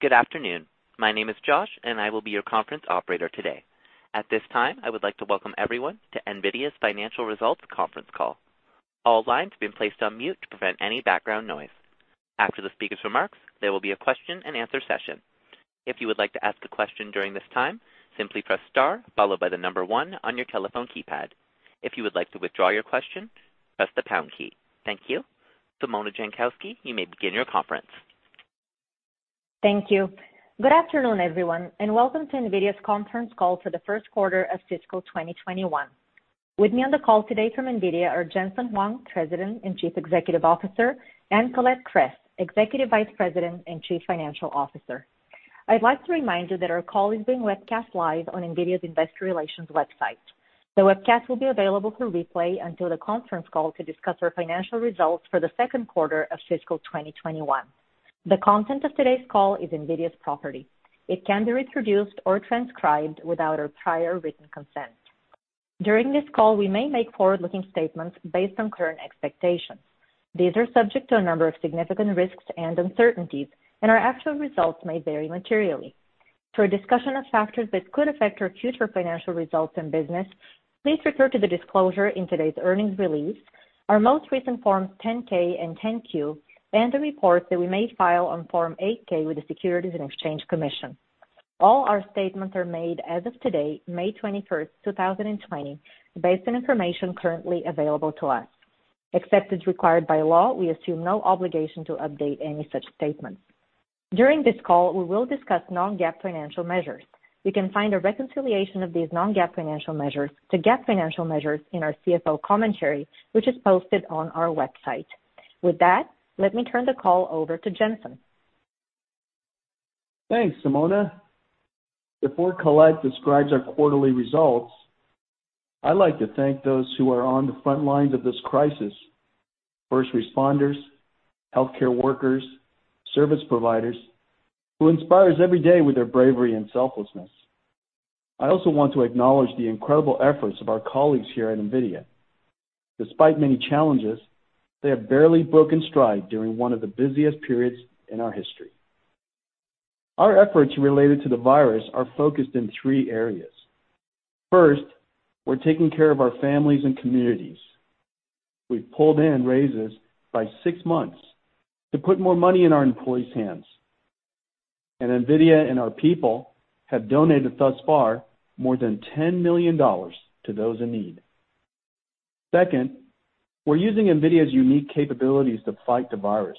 Good afternoon. My name is Josh, and I will be your conference operator today. At this time, I would like to welcome everyone to NVIDIA's financial results conference call. All lines have been placed on mute to prevent any background noise. After the speakers' remarks, there will be a question and answer session. If you would like to ask a question during this time, simply press star followed by the number one on your telephone keypad. If you would like to withdraw your question, press the pound key. Thank you. Simona Jankowski, you may begin your conference. Thank you. Good afternoon, everyone, and welcome to NVIDIA's conference call for the first quarter of fiscal 2021. With me on the call today from NVIDIA are Jensen Huang, President and Chief Executive Officer, and Colette Kress, Executive Vice President and Chief Financial Officer. I'd like to remind you that our call is being webcast live on NVIDIA's investor relations website. The webcast will be available through replay until the conference call to discuss our financial results for the second quarter of fiscal 2021. The content of today's call is NVIDIA's property. It can't be reproduced or transcribed without our prior written consent. During this call, we may make forward-looking statements based on current expectations. These are subject to a number of significant risks and uncertainties, and our actual results may vary materially. For a discussion of factors that could affect our future financial results and business, please refer to the disclosure in today's earnings release, our most recent Forms 10-K and 10-Q, and the reports that we may file on Form 8-K with the Securities and Exchange Commission. All our statements are made as of today, May 21st, 2020, based on information currently available to us. Except as required by law, we assume no obligation to update any such statements. During this call, we will discuss non-GAAP financial measures. You can find a reconciliation of these non-GAAP financial measures to GAAP financial measures in our CFO commentary, which is posted on our website. With that, let me turn the call over to Jensen. Thanks, Simona. Before Colette describes our quarterly results, I'd like to thank those who are on the front lines of this crisis, first responders, healthcare workers, service providers, who inspires every day with their bravery and selflessness. I also want to acknowledge the incredible efforts of our colleagues here at NVIDIA. Despite many challenges, they have barely broken stride during one of the busiest periods in our history. Our efforts related to the virus are focused in three areas. First, we're taking care of our families and communities. We've pulled in raises by six months to put more money in our employees' hands, and NVIDIA and our people have donated thus far more than $10 million to those in need. Second, we're using NVIDIA's unique capabilities to fight the virus.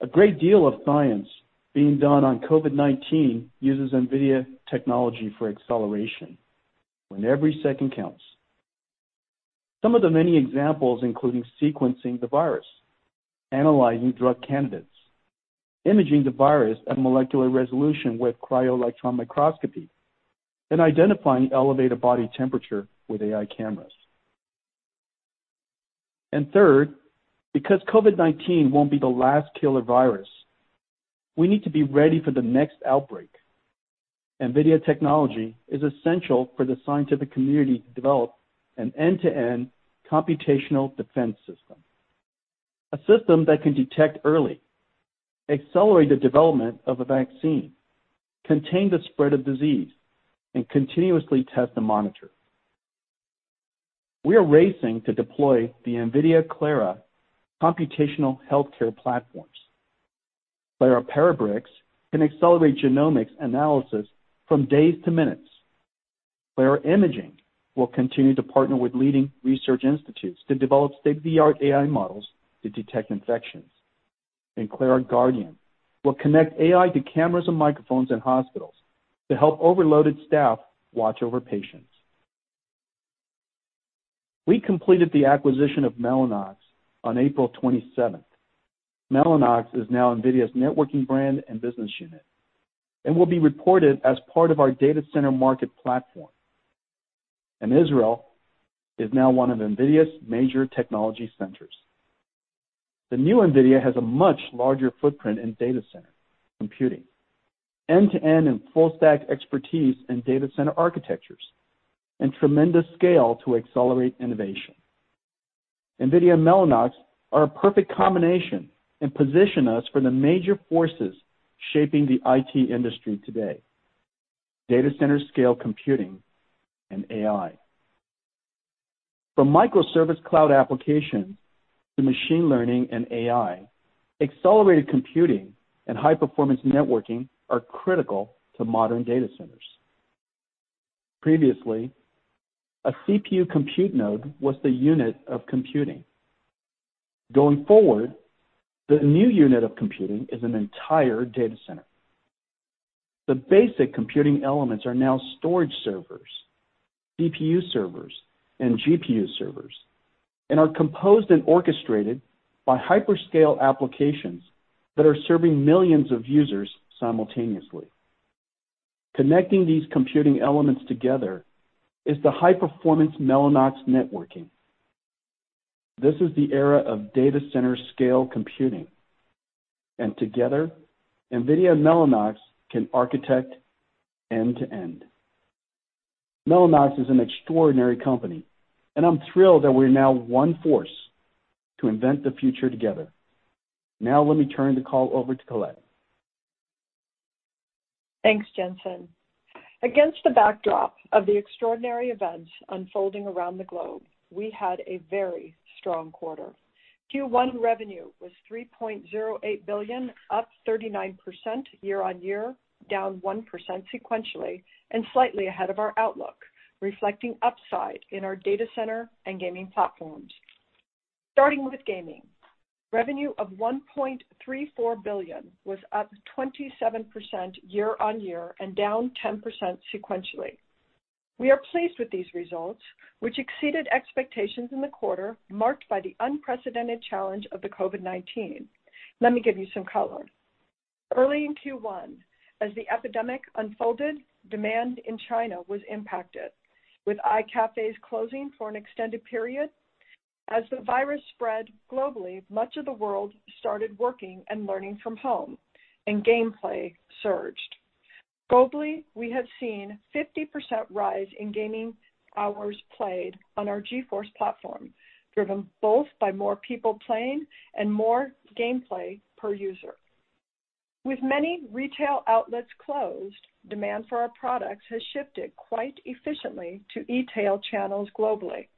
A great deal of science being done on COVID-19 uses NVIDIA technology for acceleration when every second counts. Some of the many examples including sequencing the virus, analyzing drug candidates, imaging the virus at molecular resolution with cryo-electron microscopy, and identifying elevated body temperature with AI cameras. Third, because COVID-19 won't be the last killer virus, we need to be ready for the next outbreak. NVIDIA technology is essential for the scientific community to develop an end-to-end computational defense system, a system that can detect early, accelerate the development of a vaccine, contain the spread of disease, and continuously test and monitor. We are racing to deploy the NVIDIA Clara computational healthcare platforms. Clara Parabricks can accelerate genomics analysis from days to minutes. Clara Imaging will continue to partner with leading research institutes to develop state-of-the-art AI models to detect infections. Clara Guardian will connect AI to cameras and microphones in hospitals to help overloaded staff watch over patients. We completed the acquisition of Mellanox on April 27th. Mellanox is now NVIDIA's networking brand and business unit and will be reported as part of our data center market platform. Israel is now one of NVIDIA's major technology centers. The new NVIDIA has a much larger footprint in data center computing, end-to-end and full-stack expertise in data center architectures, and tremendous scale to accelerate innovation. NVIDIA and Mellanox are a perfect combination and position us for the major forces shaping the IT industry today, data center scale computing and AI. From microservice cloud application to machine learning and AI, accelerated computing and high-performance networking are critical to modern data centers. Previously, a CPU compute node was the unit of computing. Going forward, the new unit of computing is an entire data center. The basic computing elements are now storage servers, CPU servers, and GPU servers and are composed and orchestrated by hyperscale applications that are serving millions of users simultaneously. Connecting these computing elements together is the high-performance Mellanox networking. This is the era of data center scale computing. Together, NVIDIA and Mellanox can architect end-to-end. Mellanox is an extraordinary company, and I'm thrilled that we're now one force to invent the future together. Now let me turn the call over to Colette. Thanks, Jensen. Against the backdrop of the extraordinary events unfolding around the globe, we had a very strong quarter. Q1 revenue was $3.08 billion, up 39% year-on-year, down 1% sequentially, and slightly ahead of our outlook, reflecting upside in our data center and gaming platforms. Starting with gaming, revenue of $1.34 billion was up 27% year-on-year and down 10% sequentially. We are pleased with these results, which exceeded expectations in the quarter marked by the unprecedented challenge of the COVID-19. Let me give you some color. Early in Q1, as the epidemic unfolded, demand in China was impacted, with iCafes closing for an extended period. As the virus spread globally, much of the world started working and learning from home, and gameplay surged. Globally, we have seen 50% rise in gaming hours played on our GeForce platform, driven both by more people playing and more gameplay per user. With many retail outlets closed, demand for our products has shifted quite efficiently to e-tail channels globally.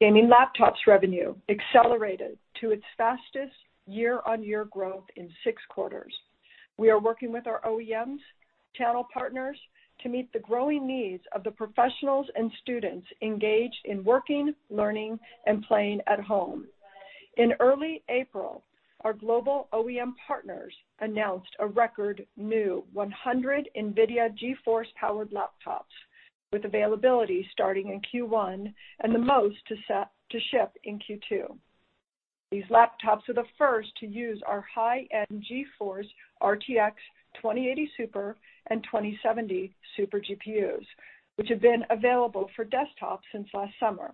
Gaming laptops revenue accelerated to its fastest year-on-year growth in six quarters. We are working with our OEMs, channel partners to meet the growing needs of the professionals and students engaged in working, learning, and playing at home. In early April, our global OEM partners announced a record new 100 NVIDIA GeForce-powered laptops with availability starting in Q1 and the most to ship in Q2. These laptops are the first to use our high-end GeForce RTX 2080 Super and 2070 Super GPUs, which have been available for desktops since last summer.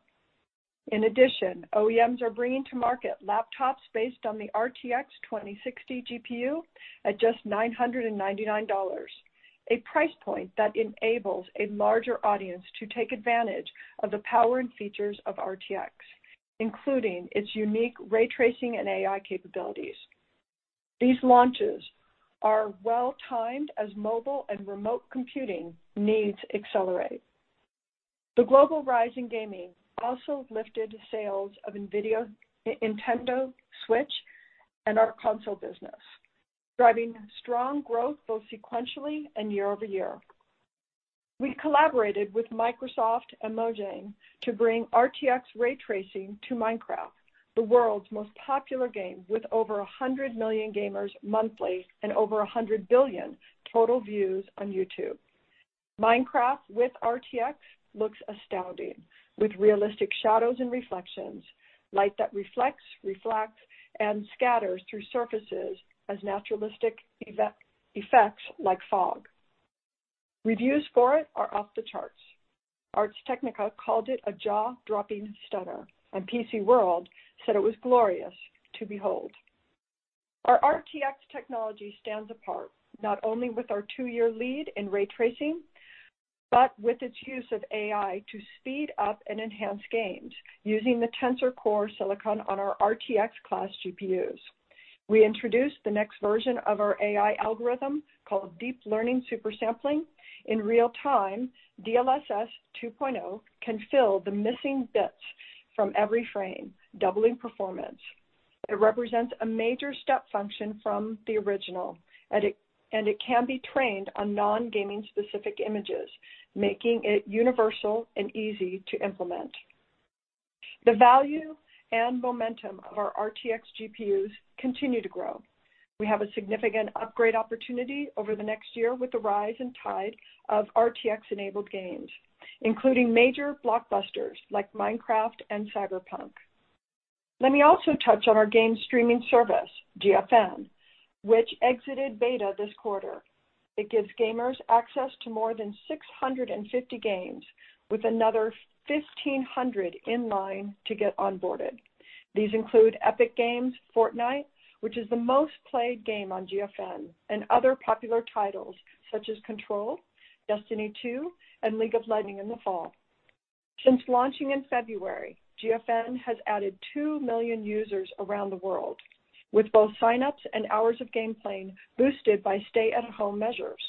In addition, OEMs are bringing to market laptops based on the RTX 2060 GPU at just $999, a price point that enables a larger audience to take advantage of the power and features of RTX, including its unique ray tracing and AI capabilities. These launches are well-timed as mobile and remote computing needs accelerate. The global rise in gaming also lifted sales of Nintendo Switch and our console business, driving strong growth both sequentially and year-over-year. We collaborated with Microsoft and Mojang to bring RTX ray tracing to Minecraft, the world's most popular game with over 100 million gamers monthly and over 100 billion total views on YouTube. Minecraft with RTX looks astounding, with realistic shadows and reflections, light that reflects, refracts, and scatters through surfaces as naturalistic effects like fog. Reviews for it are off the charts. Ars Technica called it a jaw-dropping stunner, and PCWorld said it was glorious to behold. Our RTX technology stands apart, not only with our two-year lead in ray tracing, but with its use of AI to speed up and enhance games using the Tensor Core silicon on our RTX class GPUs. We introduced the next version of our AI algorithm called Deep Learning Super Sampling. In real time, DLSS 2.0 can fill the missing bits from every frame, doubling performance. It represents a major step function from the original, and it can be trained on non-gaming specific images, making it universal and easy to implement. The value and momentum of our RTX GPUs continue to grow. We have a significant upgrade opportunity over the next year with the rise and tide of RTX-enabled games, including major blockbusters like Minecraft and Cyberpunk. Let me also touch on our game streaming service, GFN, which exited beta this quarter. It gives gamers access to more than 650 games, with another 1,500 in line to get onboarded. These include Epic Games' Fortnite, which is the most-played game on GFN, and other popular titles such as Control, Destiny 2, and League of Legends in the fall. Since launching in February, GFN has added 2 million users around the world, with both sign-ups and hours of game playing boosted by stay-at-home measures.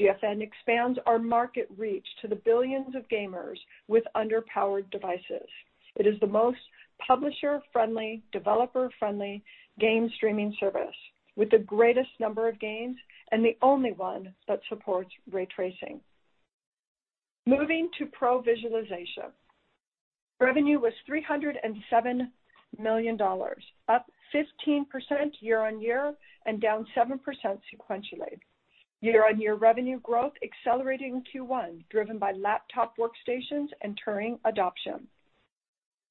GFN expands our market reach to the billions of gamers with underpowered devices. It is the most publisher-friendly, developer-friendly game streaming service with the greatest number of games and the only one that supports ray tracing. Moving to pro visualization. Revenue was $307 million, up 15% year-on-year and down 7% sequentially. Year-on-year revenue growth accelerating in Q1, driven by laptop workstations and Turing adoption.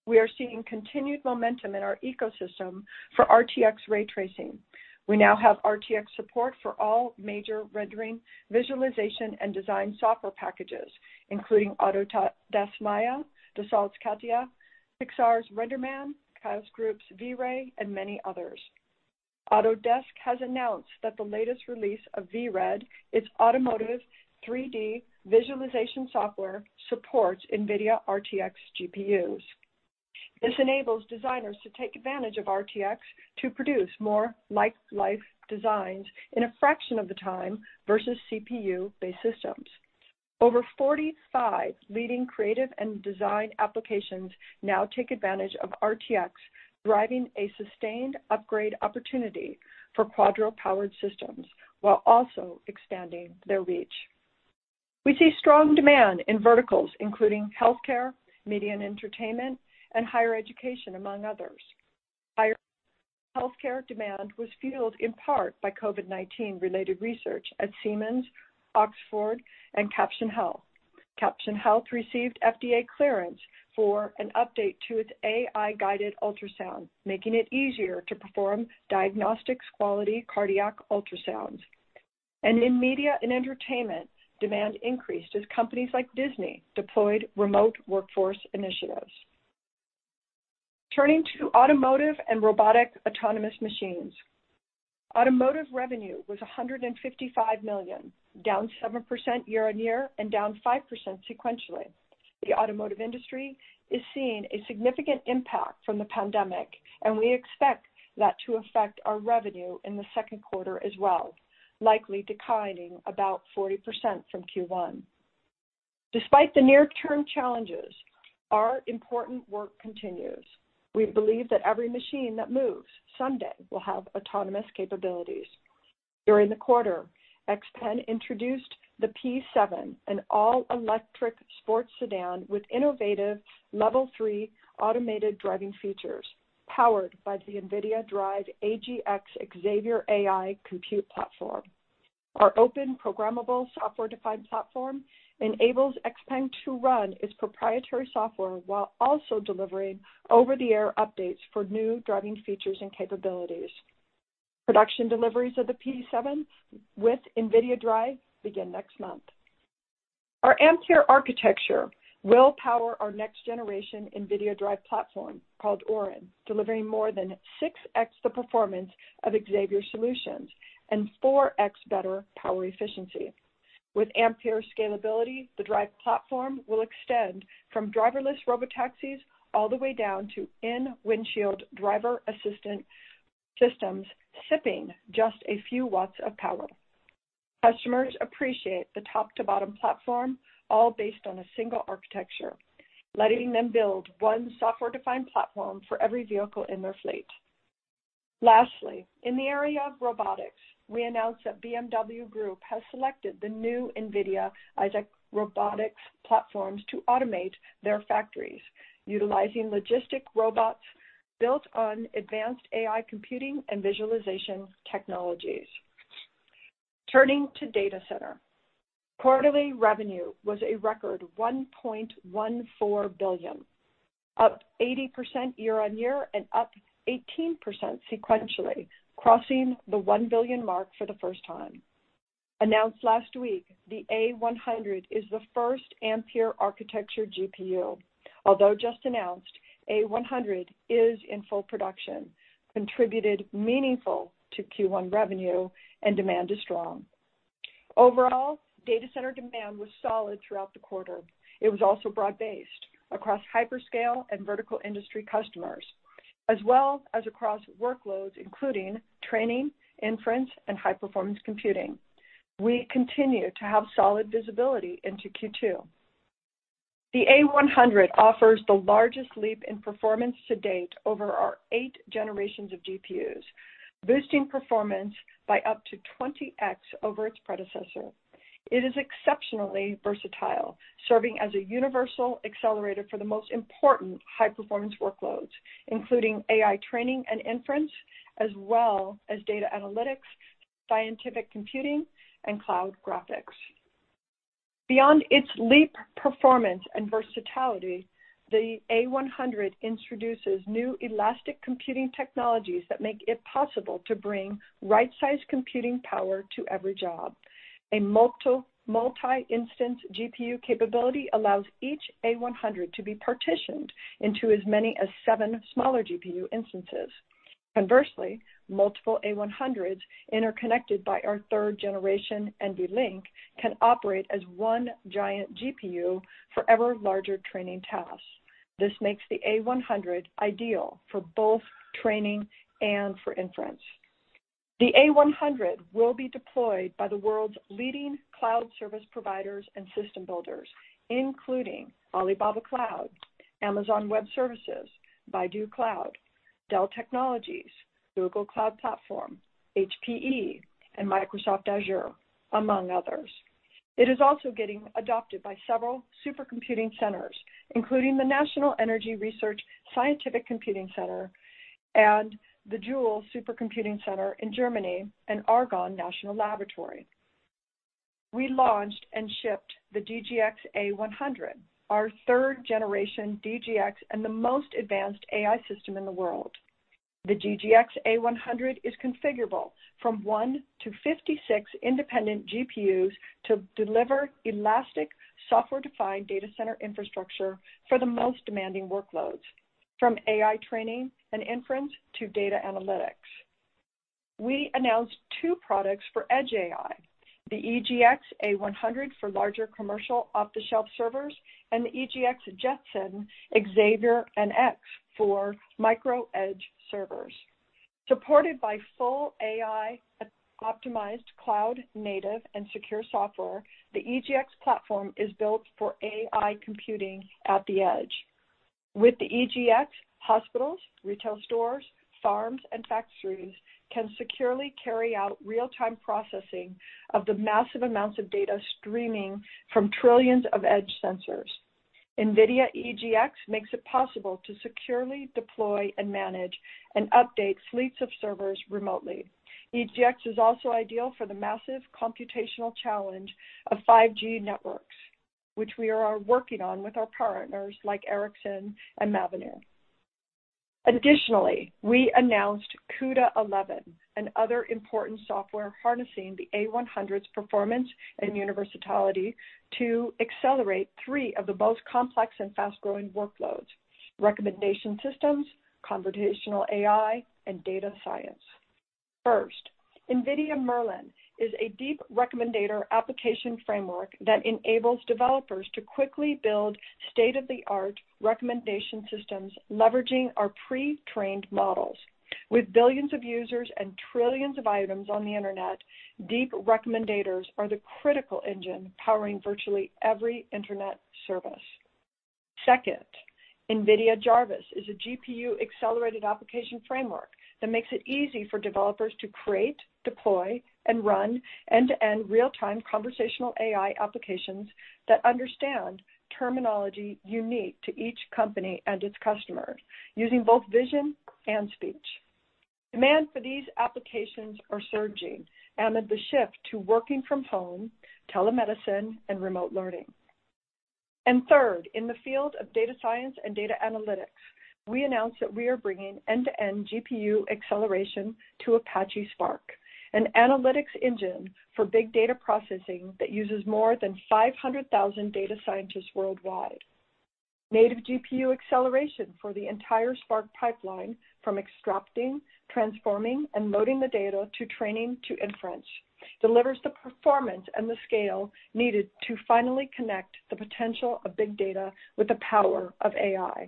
We are seeing continued momentum in our ecosystem for RTX ray tracing. We now have RTX support for all major rendering, visualization, and design software packages, including Autodesk Maya, Dassault's CATIA, Pixar's RenderMan, Chaos Group's V-Ray, and many others. Autodesk has announced that the latest release of VRED, its automotive 3D visualization software, supports NVIDIA RTX GPUs. This enables designers to take advantage of RTX to produce more lifelike designs in a fraction of the time versus CPU-based systems. Over 45 leading creative and design applications now take advantage of RTX, driving a sustained upgrade opportunity for Quadro-powered systems while also expanding their reach. We see strong demand in verticals including healthcare, media and entertainment, and higher education, among others. Higher healthcare demand was fueled in part by COVID-19-related research at Siemens, Oxford, and Caption Health. Caption Health received FDA clearance for an update to its AI-guided ultrasound, making it easier to perform diagnostics quality cardiac ultrasounds. In media and entertainment, demand increased as companies like Disney deployed remote workforce initiatives. Turning to automotive and robotic autonomous machines. Automotive revenue was $155 million, down 7% year-on-year and down 5% sequentially. The automotive industry is seeing a significant impact from the pandemic, and we expect that to affect our revenue in the second quarter as well, likely declining about 40% from Q1. Despite the near-term challenges, our important work continues. We believe that every machine that moves someday will have autonomous capabilities. During the quarter, Xpeng introduced the P7, an all-electric sports sedan with innovative Level 3 automated driving features powered by the NVIDIA DRIVE AGX Xavier AI compute platform. Our open programmable software-defined platform enables Xpeng to run its proprietary software while also delivering over-the-air updates for new driving features and capabilities. Production deliveries of the P7 with NVIDIA DRIVE begin next month. Our Ampere architecture will power our next generation NVIDIA DRIVE platform called Orin, delivering more than 6X the performance of Xavier solutions and 4X better power efficiency. With Ampere scalability, the DRIVE platform will extend from driverless robotaxis all the way down to in-windshield driver assistance systems sipping just a few watts of power. Customers appreciate the top-to-bottom platform, all based on a single architecture, letting them build one software-defined platform for every vehicle in their fleet. Lastly, in the area of robotics, we announced that BMW Group has selected the new NVIDIA Isaac robotics platforms to automate their factories utilizing logistic robots built on advanced AI computing and visualization technologies. Turning to data center. Quarterly revenue was a record $1.14 billion, up 80% year-on-year and up 18% sequentially, crossing the $1 billion mark for the first time. Announced last week, the A100 is the first Ampere architecture GPU. Although just announced, A100 is in full production, contributed meaningful to Q1 revenue, and demand is strong. Overall, data center demand was solid throughout the quarter. It was also broad-based across hyperscale and vertical industry customers, as well as across workloads including training, inference, and high-performance computing. We continue to have solid visibility into Q2. The A100 offers the largest leap in performance to date over our eight generations of GPUs, boosting performance by up to 20X over its predecessor. It is exceptionally versatile, serving as a universal accelerator for the most important high-performance workloads, including AI training and inference, as well as data analytics, scientific computing, and cloud graphics. Beyond its leap performance and versatility, the A100 introduces new elastic computing technologies that make it possible to bring right-sized computing power to every job. A Multi-Instance GPU capability allows each A100 to be partitioned into as many as seven smaller GPU instances. Conversely, multiple A100s interconnected by our third generation NVLink can operate as one giant GPU for ever larger training tasks. This makes the A100 ideal for both training and for inference. The A100 will be deployed by the world's leading cloud service providers and system builders, including Alibaba Cloud, Amazon Web Services, Baidu Cloud, Dell Technologies, Google Cloud Platform, HPE, and Microsoft Azure, among others. It is also getting adopted by several supercomputing centers, including the National Energy Research Scientific Computing Center and the Jülich Supercomputing Centre in Germany and Argonne National Laboratory. We launched and shipped the DGX A100, our third generation DGX and the most advanced AI system in the world. The DGX A100 is configurable from one to 56 independent GPUs to deliver elastic software-defined data center infrastructure for the most demanding workloads, from AI training and inference to data analytics. We announced two products for Edge AI, the EGX A100 for larger commercial off-the-shelf servers, and the EGX Jetson Xavier NX for micro edge servers. Supported by full AI optimized cloud native and secure software, the EGX platform is built for AI computing at the edge. With the EGX, hospitals, retail stores, farms, and factories can securely carry out real-time processing of the massive amounts of data streaming from trillions of edge sensors. NVIDIA EGX makes it possible to securely deploy and manage and update fleets of servers remotely. EGX is also ideal for the massive computational challenge of 5G networks, which we are working on with our partners like Ericsson and Mavenir. We announced CUDA 11 and other important software harnessing the A100's performance and universality to accelerate three of the most complex and fast-growing workloads: recommendation systems, conversational AI, and data science. NVIDIA Merlin is a deep recommender application framework that enables developers to quickly build state-of-the-art recommendation systems leveraging our pre-trained models. With billions of users and trillions of items on the internet, deep recommenders are the critical engine powering virtually every internet service. NVIDIA Jarvis is a GPU-accelerated application framework that makes it easy for developers to create, deploy, and run end-to-end real-time conversational AI applications that understand terminology unique to each company and its customers, using both vision and speech. Demand for these applications are surging amid the shift to working from home, telemedicine, and remote learning. Third, in the field of data science and data analytics, we announced that we are bringing end-to-end GPU acceleration to Apache Spark, an analytics engine for big data processing that uses more than 500,000 data scientists worldwide. Native GPU acceleration for the entire Spark pipeline from extracting, transforming, and loading the data to training to inference, delivers the performance and the scale needed to finally connect the potential of big data with the power of AI.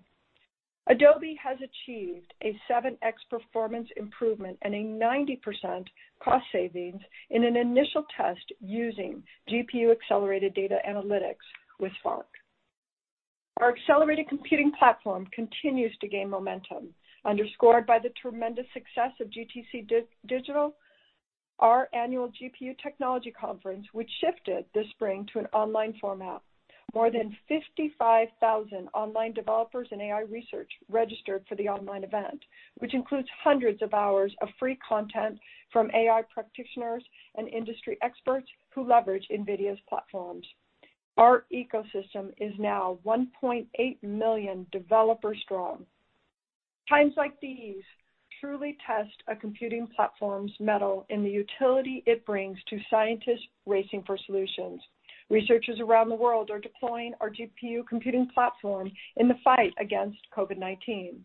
Adobe has achieved a 7x performance improvement and a 90% cost savings in an initial test using GPU-accelerated data analytics with Spark. Our accelerated computing platform continues to gain momentum, underscored by the tremendous success of GTC Digital, our annual GPU technology conference, which shifted this spring to an online format. More than 55,000 online developers and AI research registered for the online event, which includes hundreds of hours of free content from AI practitioners and industry experts who leverage NVIDIA's platforms. Our ecosystem is now 1.8 million developers strong. Times like these truly test a computing platform's mettle in the utility it brings to scientists racing for solutions. Researchers around the world are deploying our GPU computing platform in the fight against COVID-19.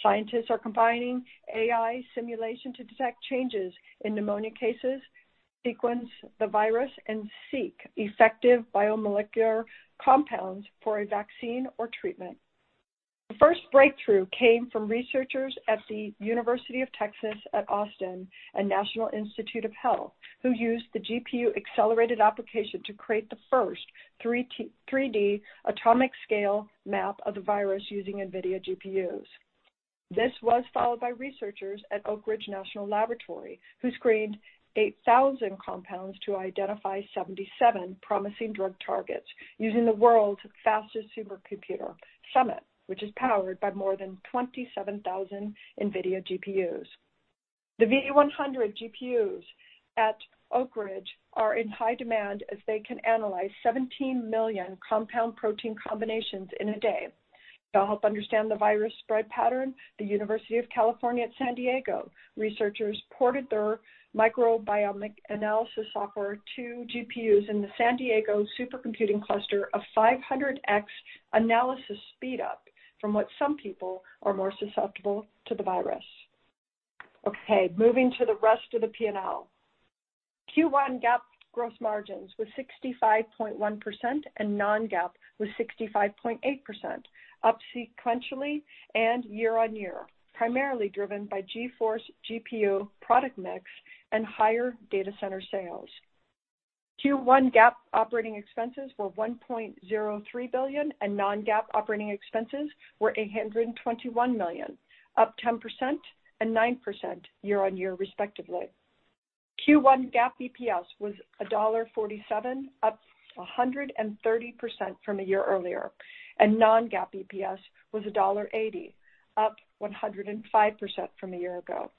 Scientists are combining AI simulation to detect changes in pneumonia cases, sequence the virus, and seek effective biomolecular compounds for a vaccine or treatment. The first breakthrough came from researchers at the University of Texas at Austin and National Institutes of Health, who used the GPU-accelerated application to create the first 3D atomic scale map of the virus using NVIDIA GPUs. This was followed by researchers at Oak Ridge National Laboratory, who screened 8,000 compounds to identify 77 promising drug targets using the world's fastest supercomputer, Summit, which is powered by more than 27,000 NVIDIA GPUs. The V100 GPUs at Oak Ridge are in high demand as they can analyze 17 million compound protein combinations in a day. To help understand the virus spread pattern, the University of California at San Diego researchers ported their microbiomic analysis software to GPUs in the San Diego Supercomputing Cluster, a 500X analysis speedup from what some people are more susceptible to the virus. Okay, moving to the rest of the P&L. Q1 GAAP gross margins was 65.1% and non-GAAP was 65.8%, up sequentially and year-on-year, primarily driven by GeForce GPU product mix and higher data center sales. Q1 GAAP operating expenses were $1.03 billion and non-GAAP operating expenses were $821 million, up 10% and 9% year-on-year respectively. Q1 GAAP EPS was $1.47, up 130% from a year earlier, and non-GAAP EPS was $1.80, up 105% from a year ago.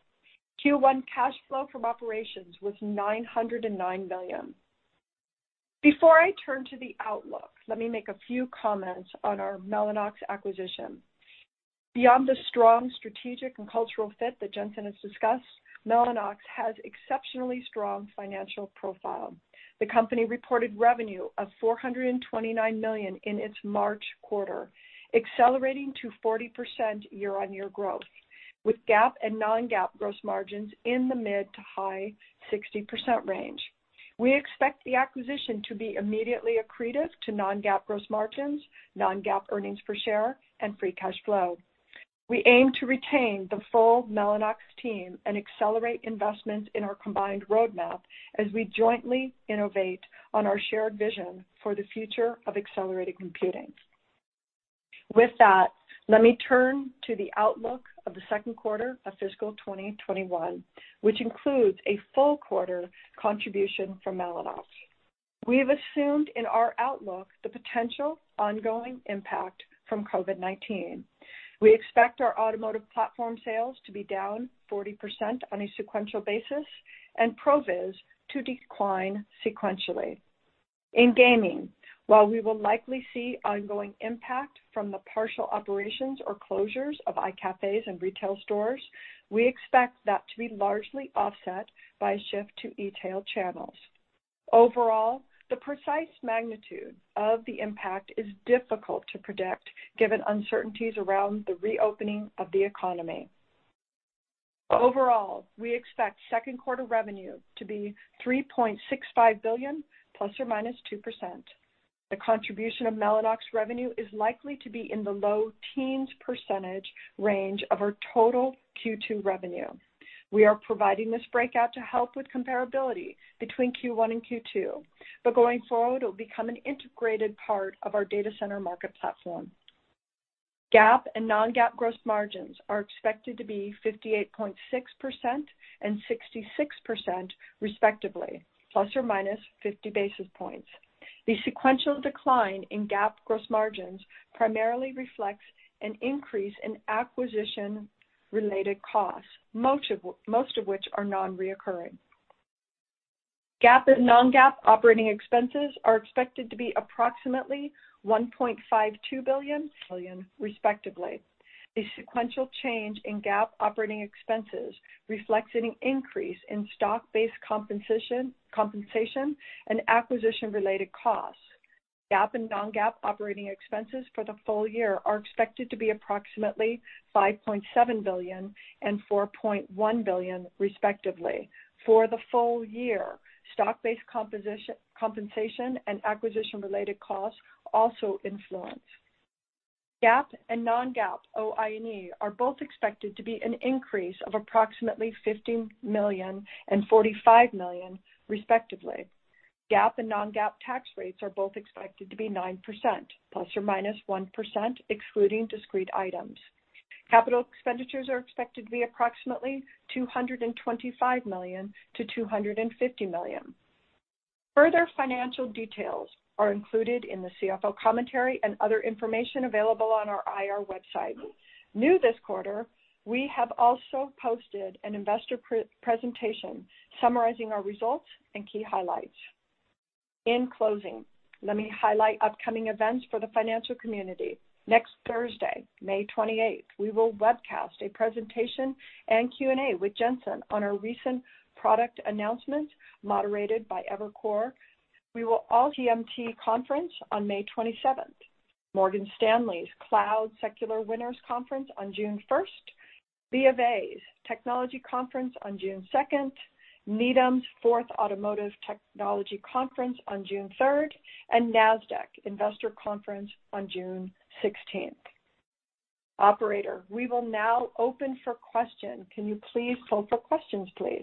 Q1 cash flow from operations was $909 million. Before I turn to the outlook, let me make a few comments on our Mellanox acquisition. Beyond the strong strategic and cultural fit that Jensen has discussed, Mellanox has exceptionally strong financial profile. The company reported revenue of $429 million in its March quarter, accelerating to 40% year-on-year growth, with GAAP and non-GAAP gross margins in the mid to high 60% range. We expect the acquisition to be immediately accretive to non-GAAP gross margins, non-GAAP earnings per share, and free cash flow. We aim to retain the full Mellanox team and accelerate investment in our combined roadmap as we jointly innovate on our shared vision for the future of accelerated computing. With that, let me turn to the outlook of the second quarter of fiscal 2021, which includes a full quarter contribution from Mellanox. We have assumed in our outlook the potential ongoing impact from COVID-19. We expect our automotive platform sales to be down 40% on a sequential basis and ProViz to decline sequentially. In gaming, while we will likely see ongoing impact from the partial operations or closures of iCafes and retail stores, we expect that to be largely offset by a shift to e-tail channels. Overall, the precise magnitude of the impact is difficult to predict given uncertainties around the reopening of the economy. Overall, we expect second quarter revenue to be $3.65 billion ±2%. The contribution of Mellanox revenue is likely to be in the low teens % range of our total Q2 revenue. We are providing this breakout to help with comparability between Q1 and Q2. Going forward, it will become an integrated part of our data center market platform. GAAP and non-GAAP gross margins are expected to be 58.6% and 66%, respectively, ±50 basis points. The sequential decline in GAAP gross margins primarily reflects an increase in acquisition-related costs, most of which are non-reoccurring. GAAP and non-GAAP operating expenses are expected to be approximately $1.52 billion [million], respectively. The sequential change in GAAP operating expenses reflects an increase in stock-based compensation and acquisition-related costs. GAAP and non-GAAP operating expenses for the full year are expected to be approximately $5.7 billion and $4.1 billion, respectively. For the full year, stock-based compensation and acquisition-related costs also influence. GAAP and non-GAAP OI&E are both expected to be an increase of approximately $15 million and $45 million, respectively. GAAP and non-GAAP tax rates are both expected to be 9%, ±1%, excluding discrete items. Capital expenditures are expected to be approximately $225 million-$250 million. Further financial details are included in the CFO commentary and other information available on our IR website. New this quarter, we have also posted an investor presentation summarizing our results and key highlights. In closing, let me highlight upcoming events for the financial community. Next Thursday, May 28th, we will webcast a presentation and Q&A with Jensen on our recent product announcement, moderated by Evercore. We will Cowen's TMT Conference on May 27th. Morgan Stanley's Cloud Secular Winners conference on June 1st. BofA's technology conference on June 2nd. Needham's fourth Automotive Technology Conference on June 3rd, and Nasdaq Investor Conference on June 16th. Operator, we will now open for question. Can you please open for questions, please?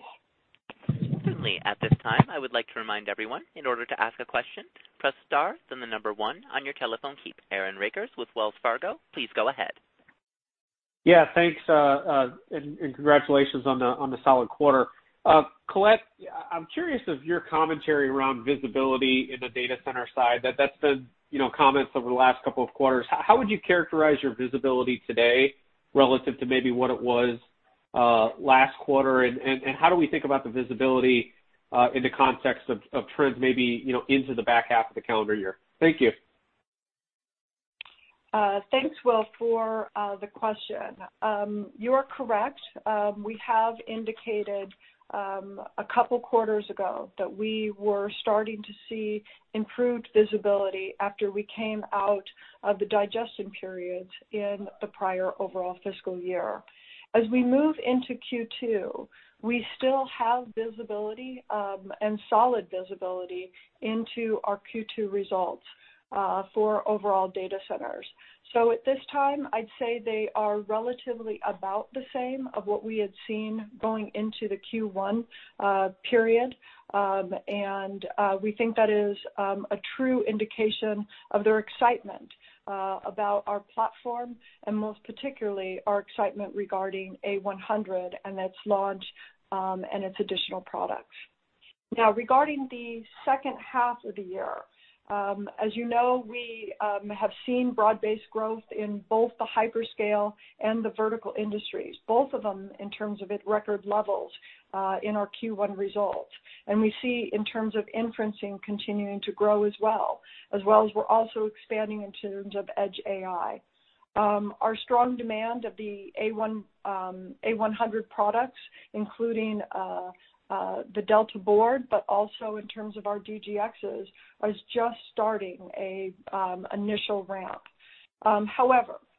Certainly. At this time, I would like to remind everyone, in order to ask a question, press star, then the number one on your telephone key. Aaron Rakers with Wells Fargo, please go ahead. Yeah, thanks, and congratulations on the solid quarter. Colette, I'm curious of your commentary around visibility in the data center side. That's been comments over the last couple of quarters. How would you characterize your visibility today relative to maybe what it was last quarter, and how do we think about the visibility in the context of trends maybe into the back half of the calendar year? Thank you. Thanks, Will, for the question. You are correct. We have indicated a couple of quarters ago that we were starting to see improved visibility after we came out of the digestion period in the prior overall fiscal year. As we move into Q2, we still have visibility, and solid visibility, into our Q2 results for overall data centers. At this time, I'd say they are relatively about the same of what we had seen going into the Q1 period. We think that is a true indication of their excitement about our platform and most particularly our excitement regarding A100 and its launch, and its additional products. Now, regarding the second half of the year, as you know, we have seen broad-based growth in both the hyperscale and the vertical industries, both of them in terms of at record levels in our Q1 results. We see in terms of inferencing continuing to grow as well, as well as we're also expanding in terms of edge AI. Our strong demand of the A100 products, including the Delta board, but also in terms of our DGXs, is just starting an initial ramp.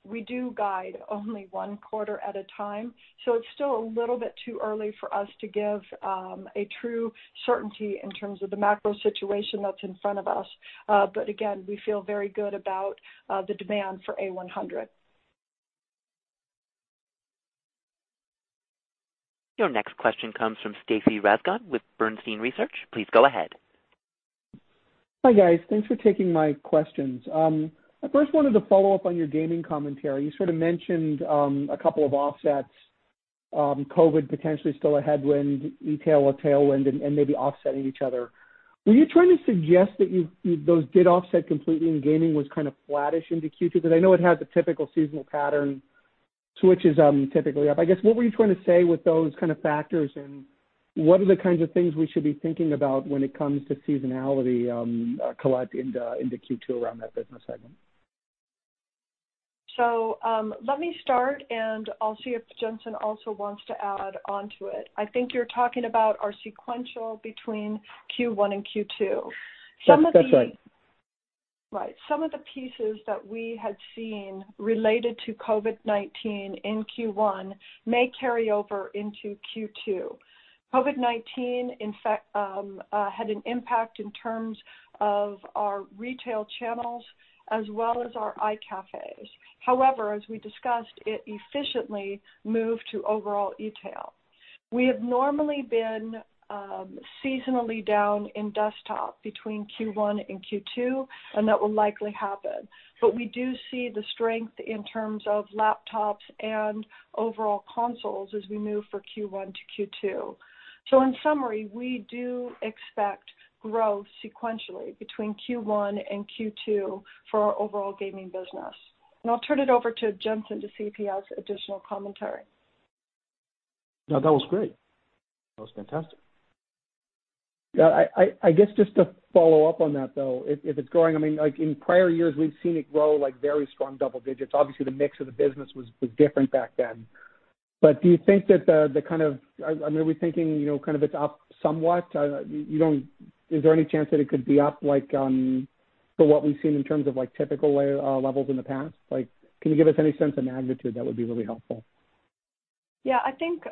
We do guide only one quarter at a time, so it's still a little bit too early for us to give a true certainty in terms of the macro situation that's in front of us. Again, we feel very good about the demand for A100. Your next question comes from Stacy Rasgon with Bernstein Research. Please go ahead. Hi, guys. Thanks for taking my questions. I first wanted to follow up on your gaming commentary. You sort of mentioned a couple of offsets. COVID potentially still a headwind, e-tail a tailwind, and maybe offsetting each other. Were you trying to suggest that those did offset completely and gaming was kind of flattish into Q2? I know it has a typical seasonal pattern, Switches typically up. I guess, what were you trying to say with those kind of factors, and what are the kinds of things we should be thinking about when it comes to seasonality, Colette, into Q2 around that business segment? Let me start, and I'll see if Jensen also wants to add onto it. I think you're talking about our sequential between Q1 and Q2. That's right. Right. Some of the pieces that we had seen related to COVID-19 in Q1 may carry over into Q2. COVID-19 had an impact in terms of our retail channels as well as our iCafes. However, as we discussed, it efficiently moved to overall e-tail. We have normally been seasonally down in desktop between Q1 and Q2, and that will likely happen. We do see the strength in terms of laptops and overall consoles as we move from Q1 to Q2. In summary, we do expect growth sequentially between Q1 and Q2 for our overall gaming business. I'll turn it over to Jensen to see if he has additional commentary. No, that was great. That was fantastic. Yeah. I guess just to follow up on that, though, if it's growing, in prior years, we've seen it grow very strong double digits. Obviously, the mix of the business was different back then. Are we thinking it's up somewhat? Is there any chance that it could be up, for what we've seen in terms of typical levels in the past? Can you give us any sense of magnitude? That would be really helpful. Yeah, I think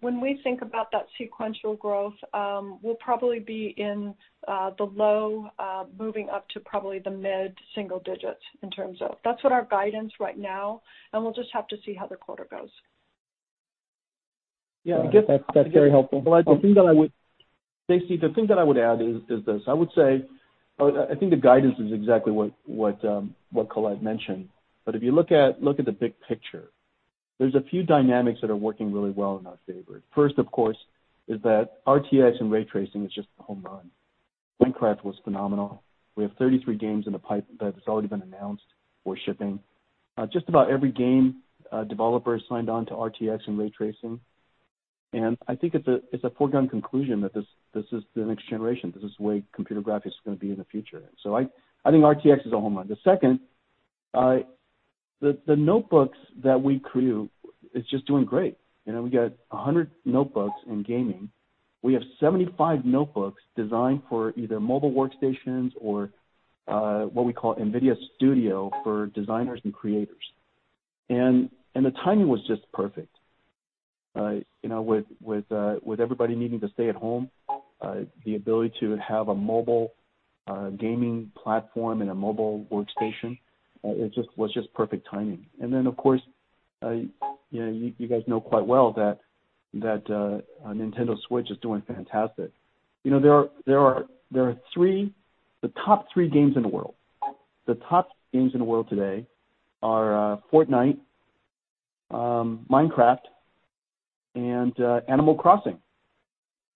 when we think about that sequential growth, we'll probably be in the low, moving up to probably the mid-single digits in terms of. That's what our guidance right now, and we'll just have to see how the quarter goes. Yeah, I guess- That's very helpful. Colette, Stacy, the thing that I would add is this. I would say, I think the guidance is exactly what Colette mentioned. If you look at the big picture, there's a few dynamics that are working really well in our favor. First, of course, is that RTX and ray tracing is just a home run. Minecraft was phenomenal. We have 33 games in the pipe that's already been announced or shipping. Just about every game developer has signed on to RTX and ray tracing. I think it's a foregone conclusion that this is the next generation. This is the way computer graphics is going to be in the future. I think RTX is a home run. The second, the notebooks that we create, it's just doing great. We got 100 notebooks in gaming. We have 75 notebooks designed for either mobile workstations or what we call NVIDIA Studio for designers and creators. The timing was just perfect. With everybody needing to stay at home, the ability to have a mobile gaming platform and a mobile workstation, it was just perfect timing. Of course, you guys know quite well that Nintendo Switch is doing fantastic. The top three games in the world today are "Fortnite," "Minecraft," and "Animal Crossing."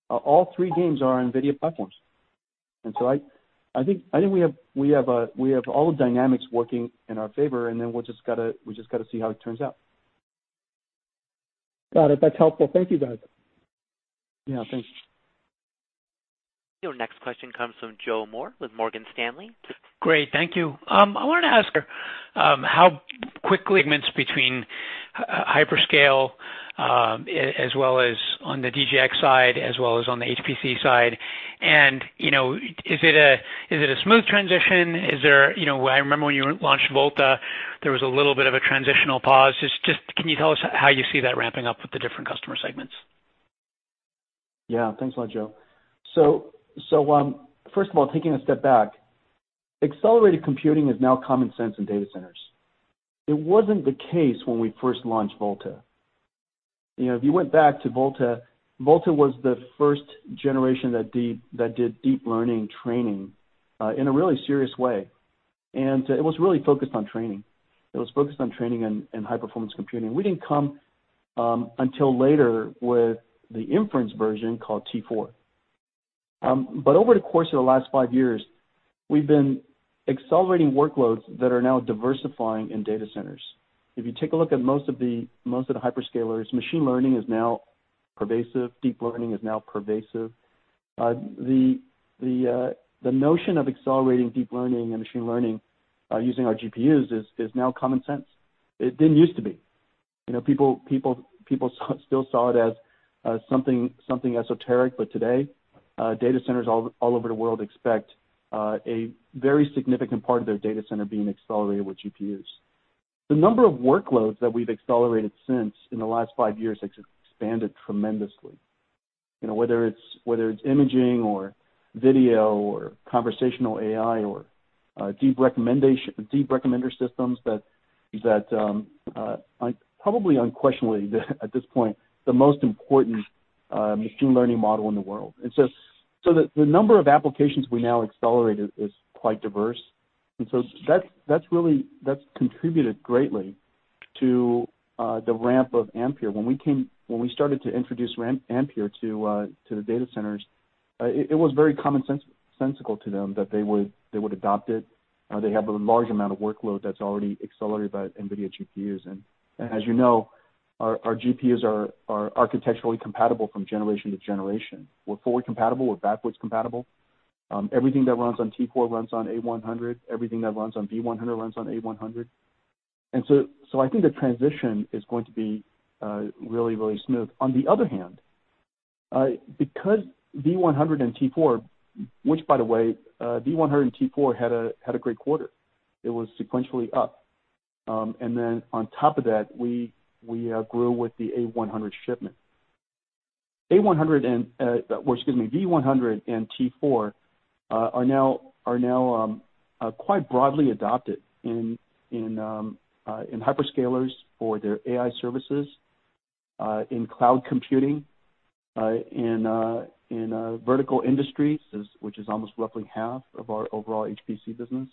All three games are on NVIDIA platforms. I think we have all the dynamics working in our favor, and then we just got to see how it turns out. Got it. That's helpful. Thank you, guys. Yeah, thanks. Your next question comes from Joe Moore with Morgan Stanley. Great. Thank you. I wanted to ask how quickly between hyperscale as well as on the DGX side, as well as on the HPC side. Is it a smooth transition? I remember when you launched Volta, there was a little bit of a transitional pause. Just, can you tell us how you see that ramping up with the different customer segments? Yeah. Thanks a lot, Joe. First of all, taking a step back, accelerated computing is now common sense in data centers. It wasn't the case when we first launched Volta. If you went back to Volta was the first generation that did deep learning training in a really serious way. It was really focused on training. It was focused on training and high-performance computing. We didn't come until later with the inference version called T4. Over the course of the last five years, we've been accelerating workloads that are now diversifying in data centers. If you take a look at most of the hyperscalers, machine learning is now pervasive. Deep learning is now pervasive. The notion of accelerating deep learning and machine learning using our GPUs is now common sense. It didn't used to be. People still saw it as something esoteric. Today, data centers all over the world expect a very significant part of their data center being accelerated with GPUs. The number of workloads that we've accelerated since in the last five years has expanded tremendously. Whether it's imaging or video or conversational AI or deep recommender systems that probably unquestionably, at this point, the most important machine learning model in the world. The number of applications we now accelerate is quite diverse. That's contributed greatly to the ramp of Ampere. When we started to introduce Ampere to the data centers, it was very commonsensical to them that they would adopt it. They have a large amount of workload that's already accelerated by NVIDIA GPUs. As you know, our GPUs are architecturally compatible from generation to generation. We're forward compatible. We're backwards compatible. Everything that runs on T4 runs on A100. Everything that runs on V100 runs on A100. I think the transition is going to be really, really smooth. On the other hand, because V100 and T4, which by the way, V100 and T4 had a great quarter. It was sequentially up. On top of that, we grew with the A100 shipment. V100 and T4 are now quite broadly adopted in hyperscalers for their AI services, in cloud computing, in vertical industries, which is almost roughly half of our overall HPC business,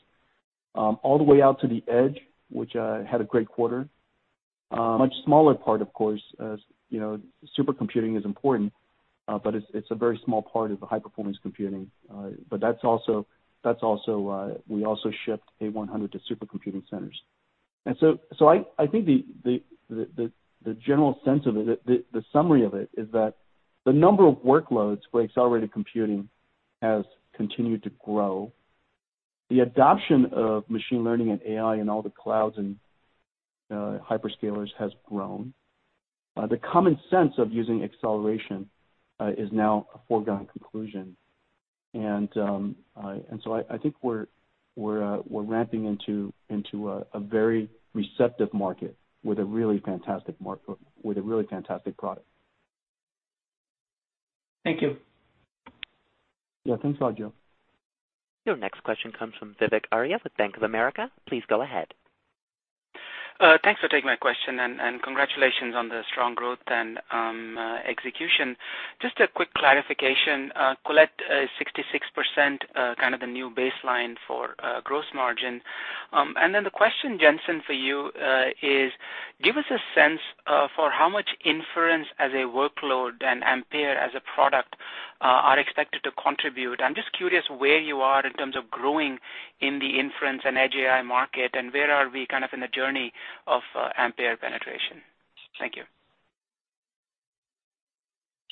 all the way out to the edge, which had a great quarter. Much smaller part, of course, as supercomputing is important, but it's a very small part of the high-performance computing. We also shipped A100 to supercomputing centers. I think the general sense of it, the summary of it, is that the number of workloads for accelerated computing has continued to grow. The adoption of machine learning and AI in all the clouds and hyperscalers has grown. The common sense of using acceleration is now a foregone conclusion. I think we're ramping into a very receptive market with a really fantastic product. Thank you. Yeah. Thanks a lot, Joe. Your next question comes from Vivek Arya with Bank of America. Please go ahead. Thanks for taking my question, congratulations on the strong growth and execution. Just a quick clarification. Colette, 66%, kind of the new baseline for gross margin. The question, Jensen, for you is, give us a sense for how much inference as a workload and Ampere as a product are expected to contribute. I'm just curious where you are in terms of growing in the inference and Edge AI market, and where are we in the journey of Ampere penetration. Thank you.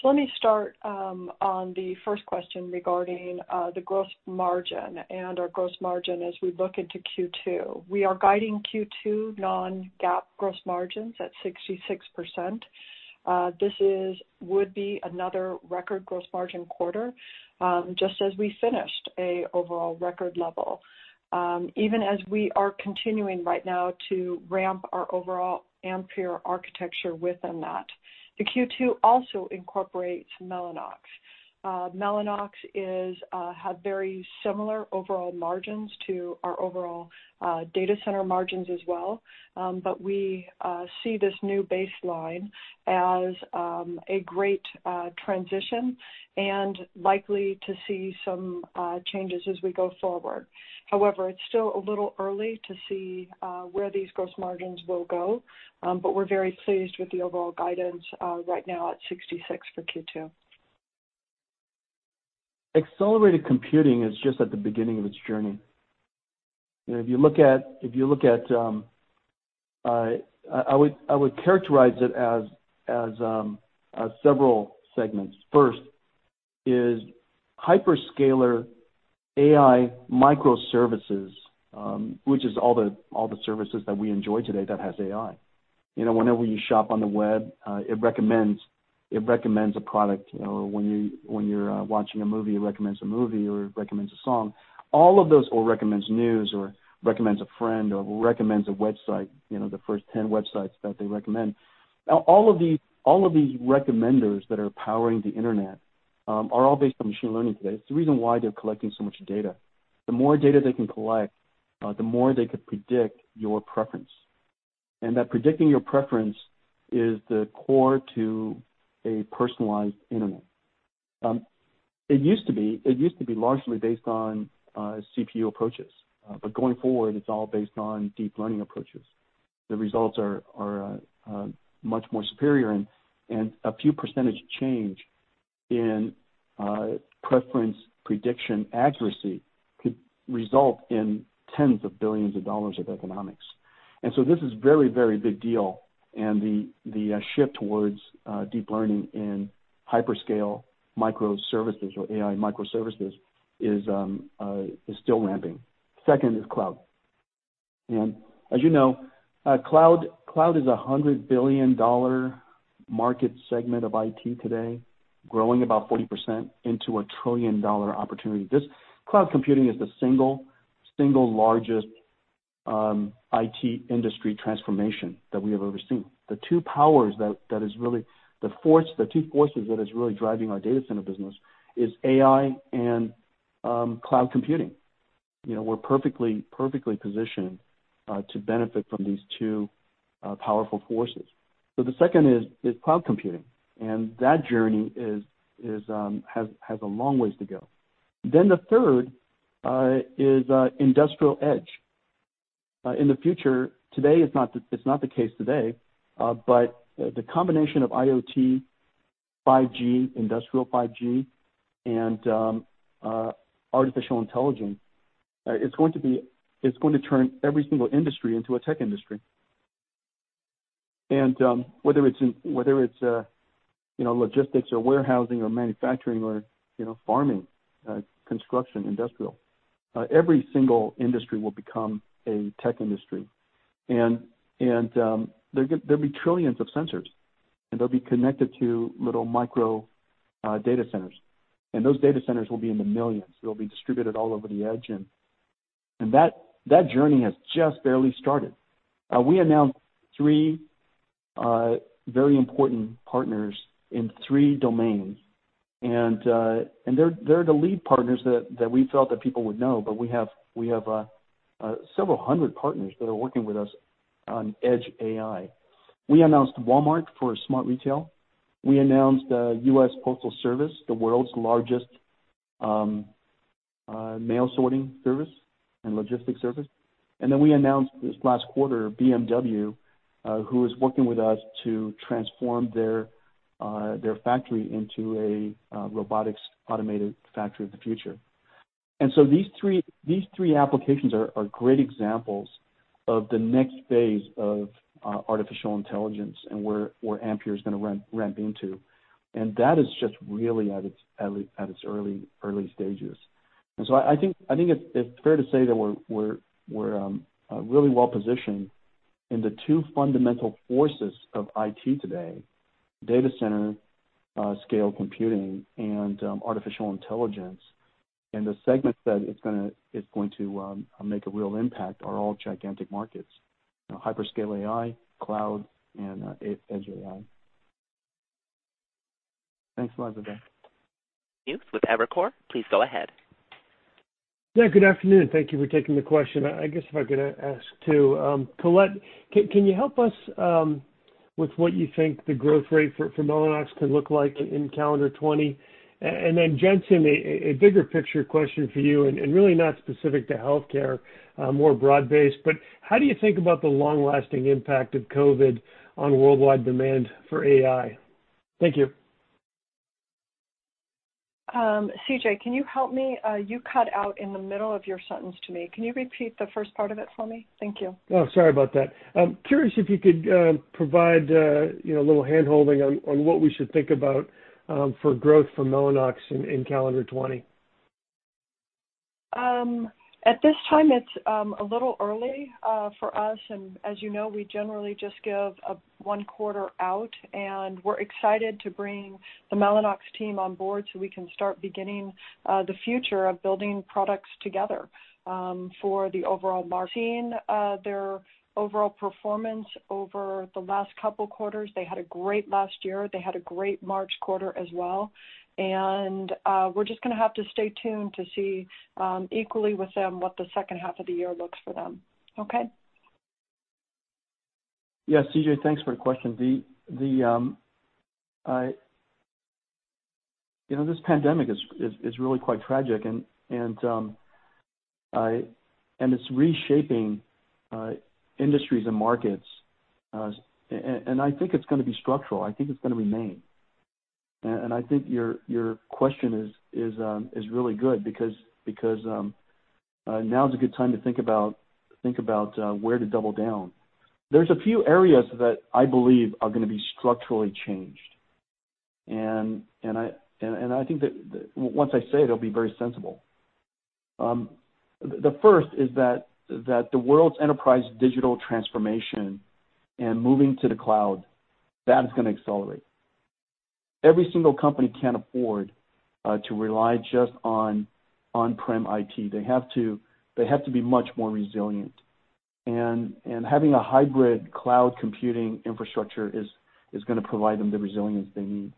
Let me start on the first question regarding the gross margin and our gross margin as we look into Q2. We are guiding Q2 non-GAAP gross margins at 66%. This would be another record gross margin quarter, just as we finished a overall record level. Even as we are continuing right now to ramp our overall Ampere architecture within that. The Q2 also incorporates Mellanox. Mellanox had very similar overall margins to our overall data center margins as well. We see this new baseline as a great transition, and likely to see some changes as we go forward. However, it's still a little early to see where these gross margins will go, but we're very pleased with the overall guidance right now at 66 for Q2. Accelerated computing is just at the beginning of its journey. I would characterize it as several segments. First is hyperscaler AI microservices, which is all the services that we enjoy today that has AI. Whenever you shop on the web, it recommends a product. When you're watching a movie, it recommends a movie or it recommends a song. It recommends news or recommends a friend or recommends a website, the first 10 websites that they recommend. All of these recommenders that are powering the internet are all based on machine learning today. It's the reason why they're collecting so much data. The more data they can collect, the more they could predict your preference. That predicting your preference is the core to a personalized internet. It used to be largely based on CPU approaches. Going forward, it's all based on deep learning approaches. The results are much more superior. A few percentage change in preference prediction accuracy could result in tens of billions of dollars of economics. This is very big deal, and the shift towards deep learning in hyperscale microservices or AI microservices is still ramping. Second is cloud. As you know, cloud is a $100 billion market segment of IT today, growing about 40% into a trillion-dollar opportunity. This cloud computing is the single largest IT industry transformation that we have ever seen. The two forces that is really driving our data center business is AI and cloud computing. We're perfectly positioned to benefit from these two powerful forces. The second is cloud computing, and that journey has a long ways to go. The third is industrial edge. In the future, it's not the case today, but the combination of IoT, 5G, industrial 5G, and artificial intelligence, it's going to turn every single industry into a tech industry. Whether it's logistics or warehousing or manufacturing or farming, construction, industrial, every single industry will become a tech industry. There'll be trillions of sensors, and they'll be connected to little micro data centers, and those data centers will be in the millions. They'll be distributed all over the edge and that journey has just barely started. We announced three very important partners in three domains, and they're the lead partners that we felt that people would know, but we have several hundred partners that are working with us on Edge AI. We announced Walmart for smart retail. We announced U.S. Postal Service, the world's largest mail sorting service and logistics service. We announced this last quarter, BMW, who is working with us to transform their factory into a robotics automated factory of the future. These three applications are great examples of the next phase of artificial intelligence and where Ampere is going to ramp into. That is just really at its early stages. I think it's fair to say that we're really well-positioned in the two fundamental forces of IT today, data center, scale computing, and artificial intelligence. The segments that it's going to make a real impact are all gigantic markets, hyperscale AI, cloud, and edge AI. Thanks a lot, Vivek. Next, with Evercore. Please go ahead. Yeah, good afternoon. Thank you for taking the question. I guess if I could ask too, Colette, can you help us with what you think the growth rate for Mellanox could look like in calendar 2020? Then Jensen, a bigger picture question for you and really not specific to healthcare, more broad-based, but how do you think about the long-lasting impact of COVID on worldwide demand for AI? Thank you. CJ, can you help me? You cut out in the middle of your sentence to me. Can you repeat the first part of it for me? Thank you. Oh, sorry about that. Curious if you could provide a little handholding on what we should think about for growth for Mellanox in calendar 2020. At this time, it's a little early for us. As you know, we generally just give one quarter out. We're excited to bring the Mellanox team on board so we can start beginning the future of building products together for the overall [margin] of their overall performance over the last couple of quarters. They had a great last year. They had a great March quarter as well. We're just going to have to stay tuned to see, equally with them, what the second half of the year looks for them. Okay? Yeah, CJ, thanks for the question. This pandemic is really quite tragic and it's reshaping industries and markets. I think it's going to be structural. I think it's going to remain. I think your question is really good because now is a good time to think about where to double down. There's a few areas that I believe are going to be structurally changed, and I think that once I say it'll be very sensible. The first is that the world's enterprise digital transformation and moving to the cloud, that is going to accelerate. Every single company can't afford to rely just on on-prem IT. They have to be much more resilient, and having a hybrid cloud computing infrastructure is going to provide them the resilience they need.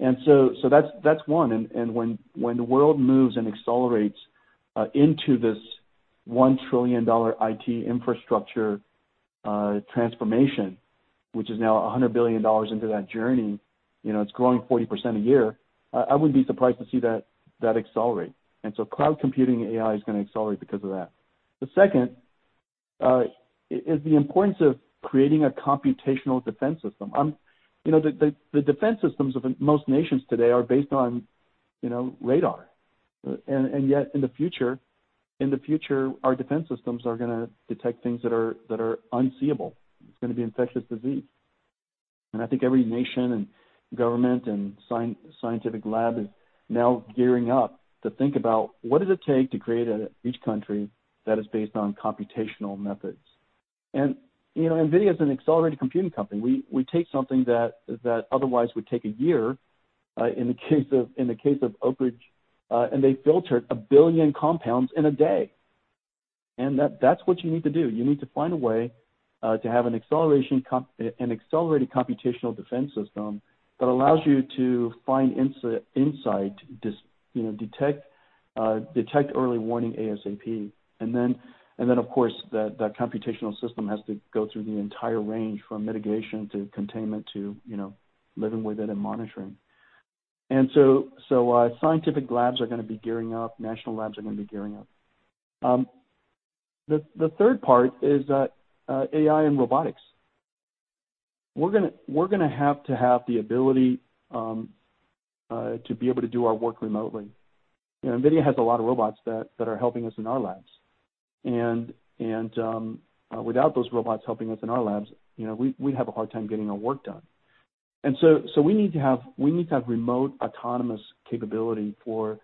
That's one, and when the world moves and accelerates into this $1 trillion IT infrastructure transformation, which is now $100 billion into that journey, it's growing 40% a year, I wouldn't be surprised to see that accelerate. Cloud computing AI is going to accelerate because of that. The second is the importance of creating a computational defense system. The defense systems of most nations today are based on radar. Yet in the future, our defense systems are going to detect things that are unseeable. It's going to be infectious disease. I think every nation and government and scientific lab is now gearing up to think about what does it take to create each country that is based on computational methods. NVIDIA is an accelerated computing company. We take something that otherwise would take a year, in the case of Oak Ridge, they filtered 1 billion compounds in a day. That's what you need to do. You need to find a way to have an accelerated computational defense system that allows you to find insight, detect early warning ASAP. Of course, that computational system has to go through the entire range from mitigation to containment to living with it and monitoring. Scientific labs are going to be gearing up, national labs are going to be gearing up. The third part is AI and robotics. We're going to have to have the ability to be able to do our work remotely. NVIDIA has a lot of robots that are helping us in our labs. Without those robots helping us in our labs, we'd have a hard time getting our work done. We need to have remote autonomous capability to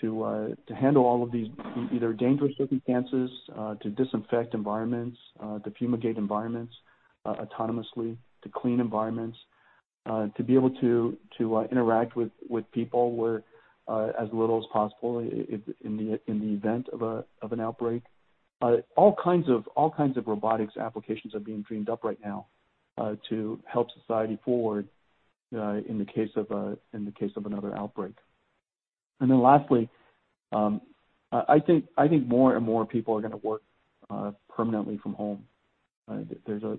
handle all of these, either dangerous circumstances, to disinfect environments, to fumigate environments autonomously, to clean environments, to be able to interact with people as little as possible in the event of an outbreak. All kinds of robotics applications are being dreamed up right now to help society forward in the case of another outbreak. Lastly, I think more and more people are going to work permanently from home. There's a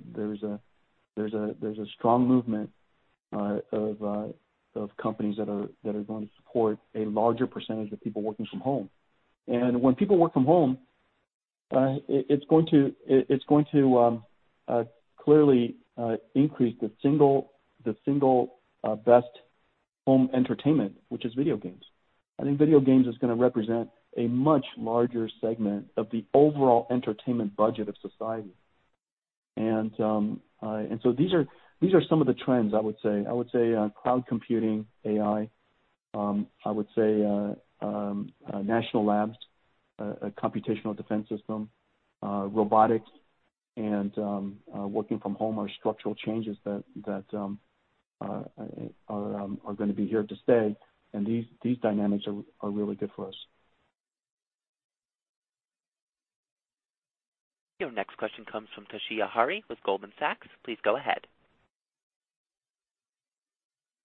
strong movement of companies that are going to support a larger percentage of people working from home. When people work from home, it's going to clearly increase the single best home entertainment, which is video games. I think video games is going to represent a much larger segment of the overall entertainment budget of society. These are some of the trends I would say. I would say cloud computing, AI. I would say national labs, a computational defense system, robotics, and working from home are structural changes that are going to be here to stay. These dynamics are really good for us. Your next question comes from Toshiya Hari with Goldman Sachs. Please go ahead.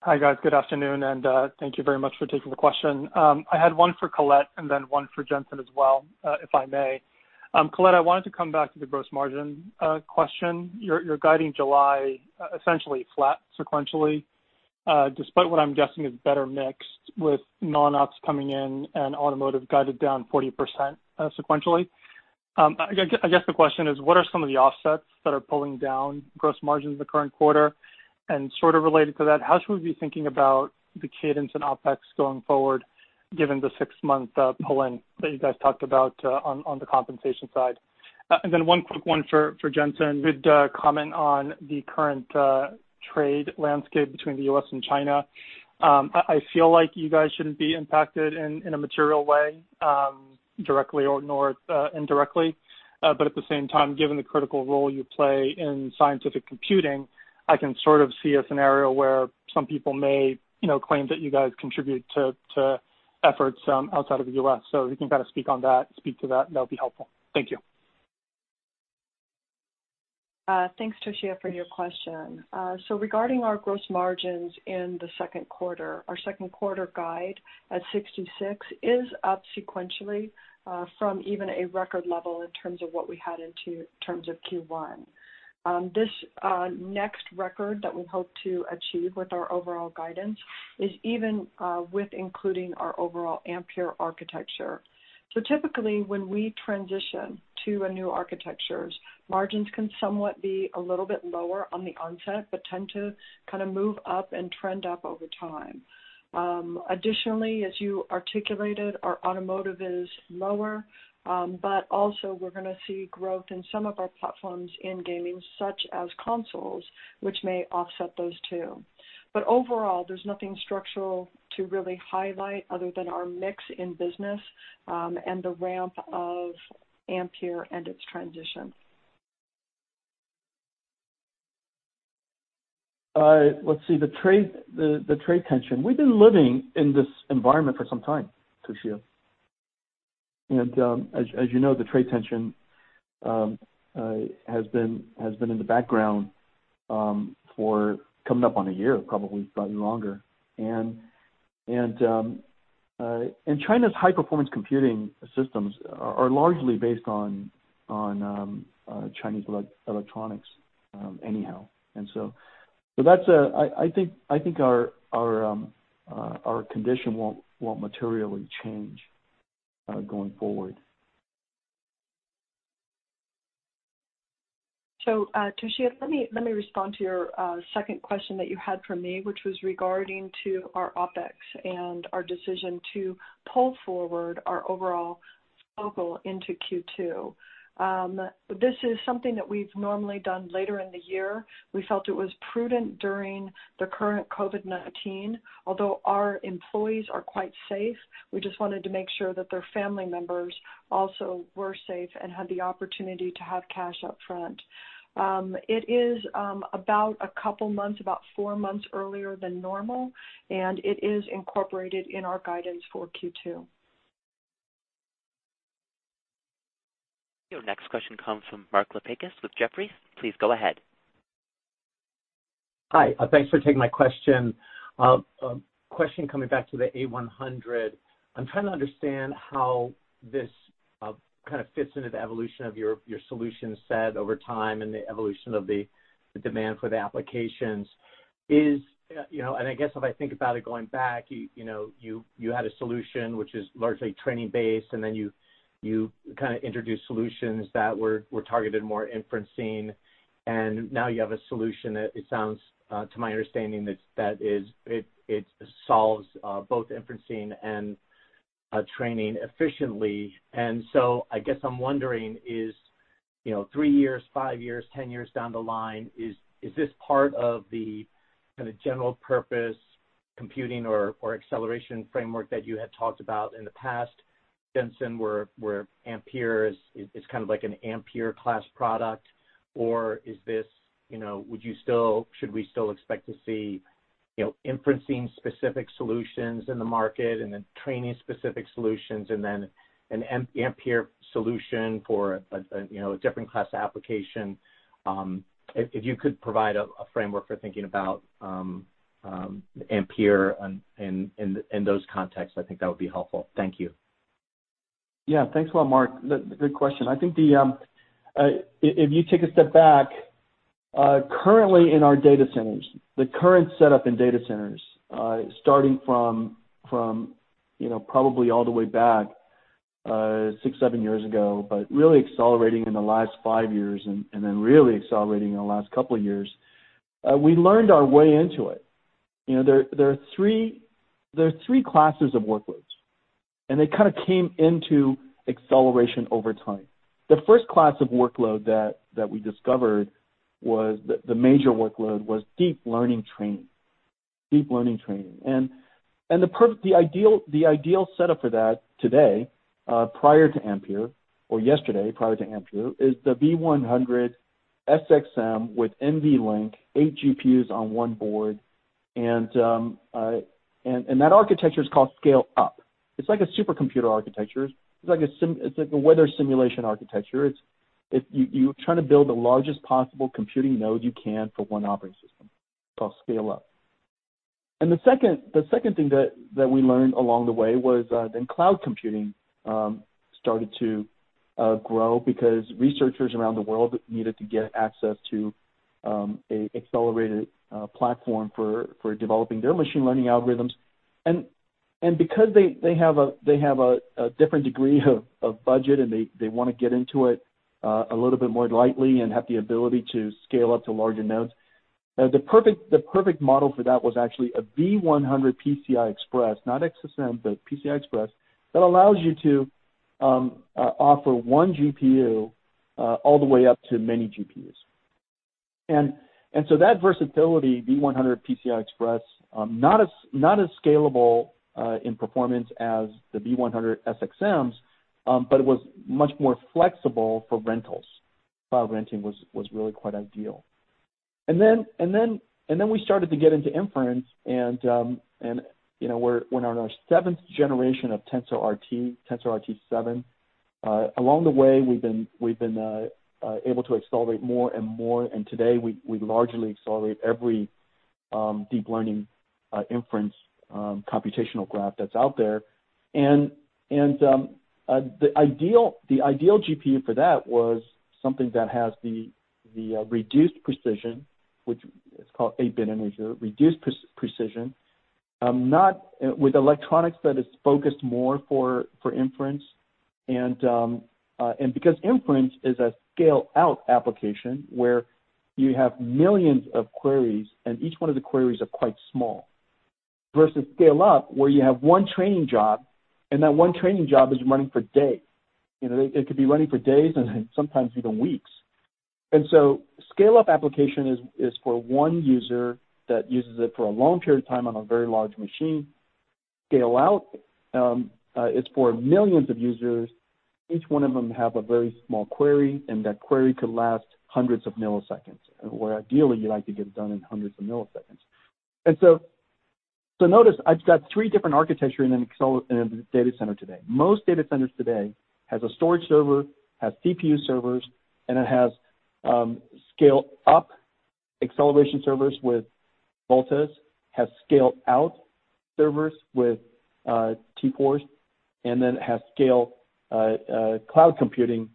Hi, guys. Good afternoon, and thank you very much for taking the question. I had one for Colette and then one for Jensen as well, if I may. Colette, I wanted to come back to the gross margin question. You're guiding July essentially flat sequentially, despite what I'm guessing is a better mix with non-GAAP coming in and automotive guided down 40% sequentially. I guess the question is, what are some of the offsets that are pulling down gross margins the current quarter? Sort of related to that, how should we be thinking about the cadence in OpEx going forward, given the six-month pull-in that you guys talked about on the compensation side? Then one quick one for Jensen. Could comment on the current trade landscape between the U.S. and China. I feel like you guys shouldn't be impacted in a material way directly or indirectly. At the same time, given the critical role you play in scientific computing, I can sort of see a scenario where some people may claim that you guys contribute to efforts outside of the U.S. If you can speak to that'll be helpful. Thank you. Thanks, Toshiya, for your question. Regarding our gross margins in the second quarter, our second quarter guide at 66% is up sequentially from even a record level in terms of what we had in terms of Q1. This next record that we hope to achieve with our overall guidance is even with including our overall Ampere architecture. Typically, when we transition to new architectures, margins can somewhat be a little bit lower on the onset, but tend to move up and trend up over time. Additionally, as you articulated, our automotive is lower, but also we're going to see growth in some of our platforms in gaming, such as consoles, which may offset those two. Overall, there's nothing structural to really highlight other than our mix in business and the ramp of Ampere and its transition. Let's see, the trade tension. We've been living in this environment for some time, Toshiya. As you know, the trade tension has been in the background for coming up on a year, probably longer. China's high-performance computing systems are largely based on Chinese electronics anyhow. I think our condition won't materially change going forward. Toshiya, let me respond to your second question that you had for me, which was regarding to our OpEx and our decision to pull forward our overall focal into Q2. This is something that we've normally done later in the year. We felt it was prudent during the current COVID-19. Although our employees are quite safe, we just wanted to make sure that their family members also were safe and had the opportunity to have cash up front. It is about a couple months, about four months earlier than normal, and it is incorporated in our guidance for Q2. Your next question comes from Mark Lipacis with Jefferies. Please go ahead. Hi. Thanks for taking my question. Question coming back to the A100. I'm trying to understand how this kind of fits into the evolution of your solution set over time and the evolution of the demand for the applications. I guess if I think about it going back, you had a solution which is largely training-based, then you kind of introduced solutions that were targeted more inferencing, and now you have a solution that it sounds to my understanding that is, it solves both inferencing and training efficiently. I guess I'm wondering is, three years, five years, 10 years down the line, is this part of the kind of general purpose computing or acceleration framework that you had talked about in the past, Jensen, where Ampere is kind of like an Ampere class product? Should we still expect to see inferencing specific solutions in the market and then training specific solutions and then an Ampere solution for a different class of application? If you could provide a framework for thinking about Ampere in those contexts, I think that would be helpful. Thank you. Yeah. Thanks a lot, Mark. Good question. I think, if you take a step back, currently in our data centers, the current setup in data centers, starting from probably all the way back, six, seven years ago, but really accelerating in the last five years and then really accelerating in the last couple of years. We learned our way into it. There are 3 classes of workloads, and they kind of came into acceleration over time. The first class of workload that we discovered was, the major workload was deep learning training. The ideal setup for that today, prior to Ampere, or yesterday prior to Ampere, is the V100 SXM with NVLink, eight GPUs on one board, and that architecture is called scale up. It's like a supercomputer architecture. It's like a weather simulation architecture. You're trying to build the largest possible computing node you can for one operating system. It's called scale up. The second thing that we learned along the way was cloud computing started to grow because researchers around the world needed to get access to an accelerated platform for developing their machine learning algorithms. Because they have a different degree of budget and they want to get into it a little bit more lightly and have the ability to scale up to larger nodes, the perfect model for that was actually a V100 PCI Express, not SXM, but PCI Express, that allows you to offer one GPU all the way up to many GPUs. That versatility, V100 PCI Express, not as scalable in performance as the V100 SXMs, but it was much more flexible for rentals. Cloud renting was really quite ideal. We started to get into inference and we're on our seventh generation of TensorRT 7. Along the way, we've been able to accelerate more and more, and today we largely accelerate every deep learning inference computational graph that's out there. The ideal GPU for that was something that has the reduced precision, which is called 8-bit integer, reduced precision. Not with electronics that is focused more for inference and because inference is a scale out application where you have millions of queries and each one of the queries are quite small. Versus scale up, where you have one training job, and that one training job is running for days. It could be running for days and sometimes even weeks. Scale up application is for one user that uses it for a long period of time on a very large machine. Scale out, it's for millions of users. Each one of them have a very small query, that query could last hundreds of milliseconds, or ideally, you'd like to get it done in hundreds of milliseconds. Notice I've got three different architecture in a data center today. Most data centers today has a storage server, it has CPU servers, it has scale up acceleration servers with V100s, has scale out servers with T4s, then it has scale cloud computing,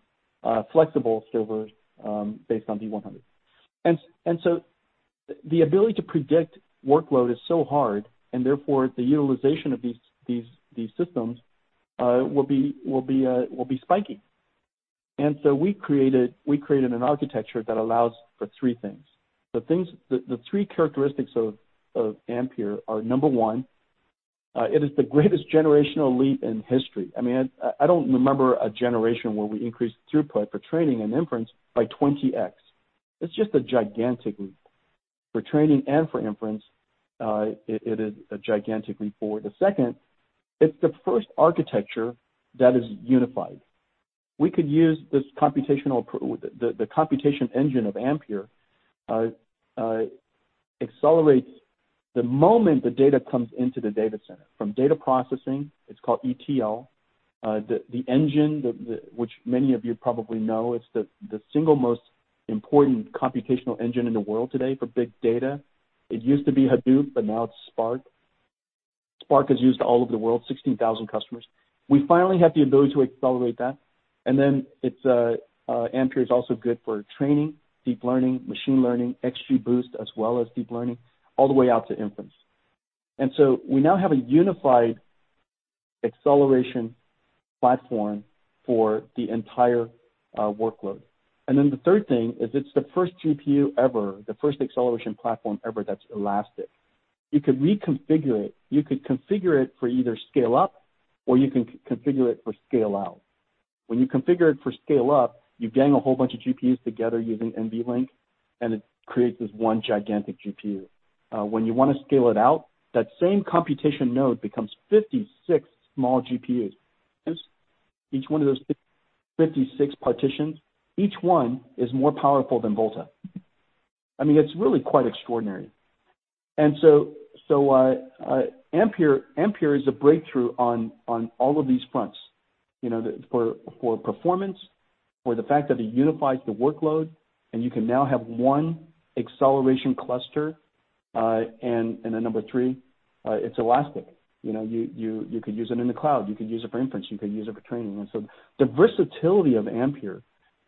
flexible servers based on V100. The ability to predict workload is so hard, therefore the utilization of these systems will be spiky. We created an architecture that allows for three things. The three characteristics of Ampere are, number one, it is the greatest generational leap in history. I don't remember a generation where we increased throughput for training and inference by 20x. It's just a gigantic leap. For training and for inference, it is a gigantic leap forward. The second, it's the first architecture that is unified. The computation engine of Ampere accelerates the moment the data comes into the data center. From data processing, it's called ETL. The engine, which many of you probably know, is the single most important computational engine in the world today for big data. It used to be Hadoop, but now it's Spark. Spark is used all over the world, 16,000 customers. We finally have the ability to accelerate that. Ampere is also good for training, deep learning, machine learning, XGBoost, as well as deep learning, all the way out to inference. We now have a unified acceleration platform for the entire workload. The third thing is it's the first GPU ever, the first acceleration platform ever, that's elastic. You could reconfigure it. You could configure it for either scale up or you can configure it for scale out. When you configure it for scale up, you gang a whole bunch of GPUs together using NVLink, and it creates this one gigantic GPU. When you want to scale it out, that same computation node becomes 56 small GPUs. Each one of those 56 partitions, each one is more powerful than Volta. It's really quite extraordinary. Ampere is a breakthrough on all of these fronts. For performance, for the fact that it unifies the workload and you can now have one acceleration cluster. Number three, it's elastic. You could use it in the cloud, you could use it for inference, you could use it for training. The versatility of Ampere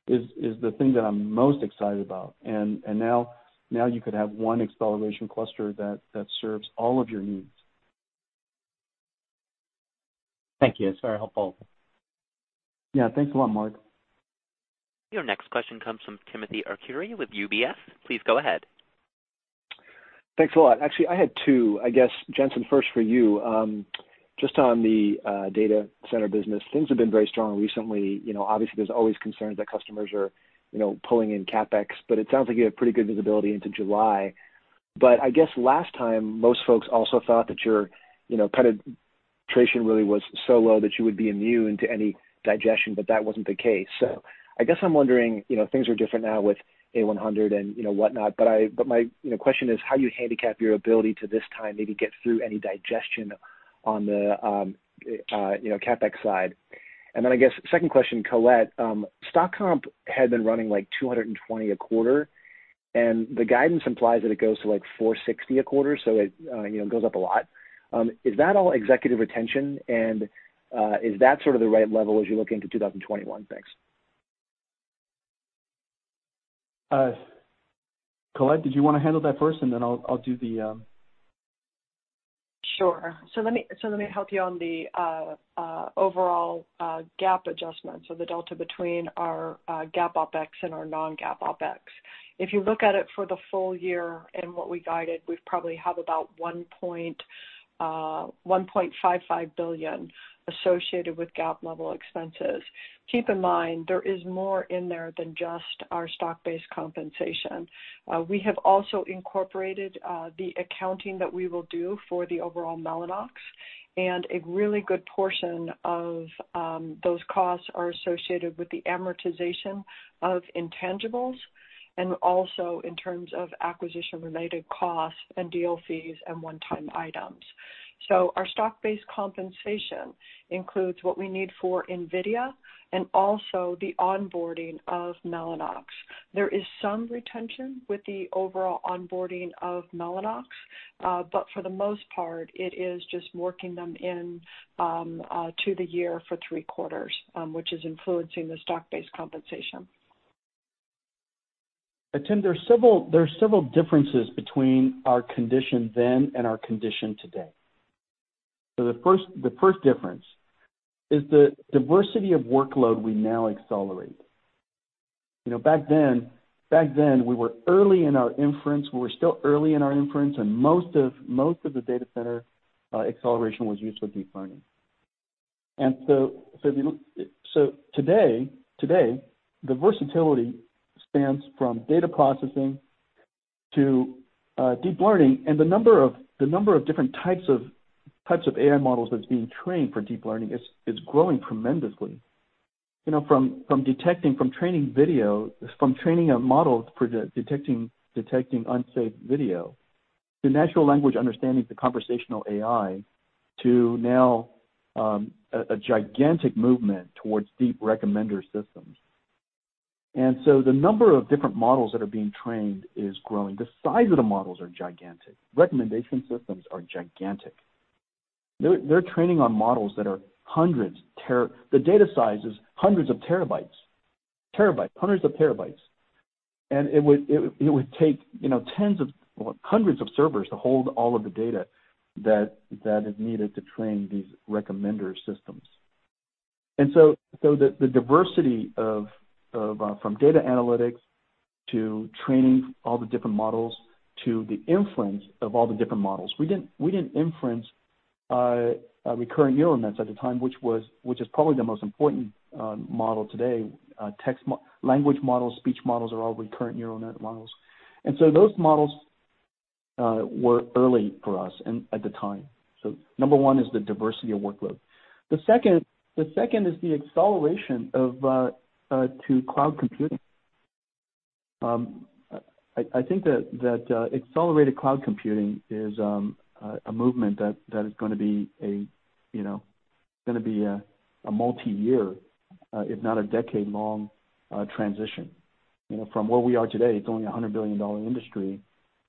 is the thing that I'm most excited about. Now you could have one acceleration cluster that serves all of your needs. Thank you. That's very helpful. Yeah. Thanks a lot, Mark. Your next question comes from Timothy Arcuri with UBS. Please go ahead. Thanks a lot. Actually, I had two. I guess, Jensen, first for you. Just on the data center business, things have been very strong recently. There's always concerns that customers are pulling in CapEx, but it sounds like you have pretty good visibility into July. I guess last time, most folks also thought that your penetration really was so low that you would be immune to any digestion, but that wasn't the case. I guess I'm wondering, things are different now with A100 and whatnot, but my question is how you handicap your ability to this time maybe get through any digestion on the CapEx side. I guess second question, Colette. Stock comp had been running like $220 a quarter, and the guidance implies that it goes to like $460 a quarter, so it goes up a lot. Is that sort of the right level as you look into 2021? Thanks. Colette, did you want to handle that first and then I'll do the? Sure. Let me help you on the overall GAAP adjustment, so the delta between our GAAP OPEX and our non-GAAP OPEX. If you look at it for the full year and what we guided, we probably have about $1.55 billion associated with GAAP level expenses. Keep in mind, there is more in there than just our stock-based compensation. We have also incorporated the accounting that we will do for the overall Mellanox, and a really good portion of those costs are associated with the amortization of intangibles, and also in terms of acquisition-related costs and deal fees and one-time items. Our stock-based compensation includes what we need for NVIDIA and also the onboarding of Mellanox. There is some retention with the overall onboarding of Mellanox, but for the most part, it is just working them in to the year for three quarters, which is influencing the stock-based compensation. Tim, there's several differences between our condition then and our condition today. The first difference is the diversity of workload we now accelerate. Back then, we were early in our inference. We were still early in our inference, and most of the data center acceleration was used for deep learning. Today, the versatility spans from data processing to deep learning, and the number of different types of AI models that's being trained for deep learning is growing tremendously. From training a model for detecting unsafe video to natural language understanding to conversational AI to now a gigantic movement towards deep recommender systems. The number of different models that are being trained is growing. The size of the models are gigantic. Recommendation systems are gigantic. They're training on models that are hundreds, the data size is hundreds of terabytes. Hundreds of terabytes. It would take tens or hundreds of servers to hold all of the data that is needed to train these recommender systems. The diversity from data analytics to training all the different models to the inference of all the different models. We didn't inference recurring neural nets at the time, which is probably the most important model today. Language models, speech models are all recurrent neural net models. Those models were early for us at the time. Number one is the diversity of workload. The second is the acceleration to cloud computing. I think that accelerated cloud computing is a movement that is going to be a multi-year, if not a decade-long, transition. From where we are today, it's only a $100 billion industry,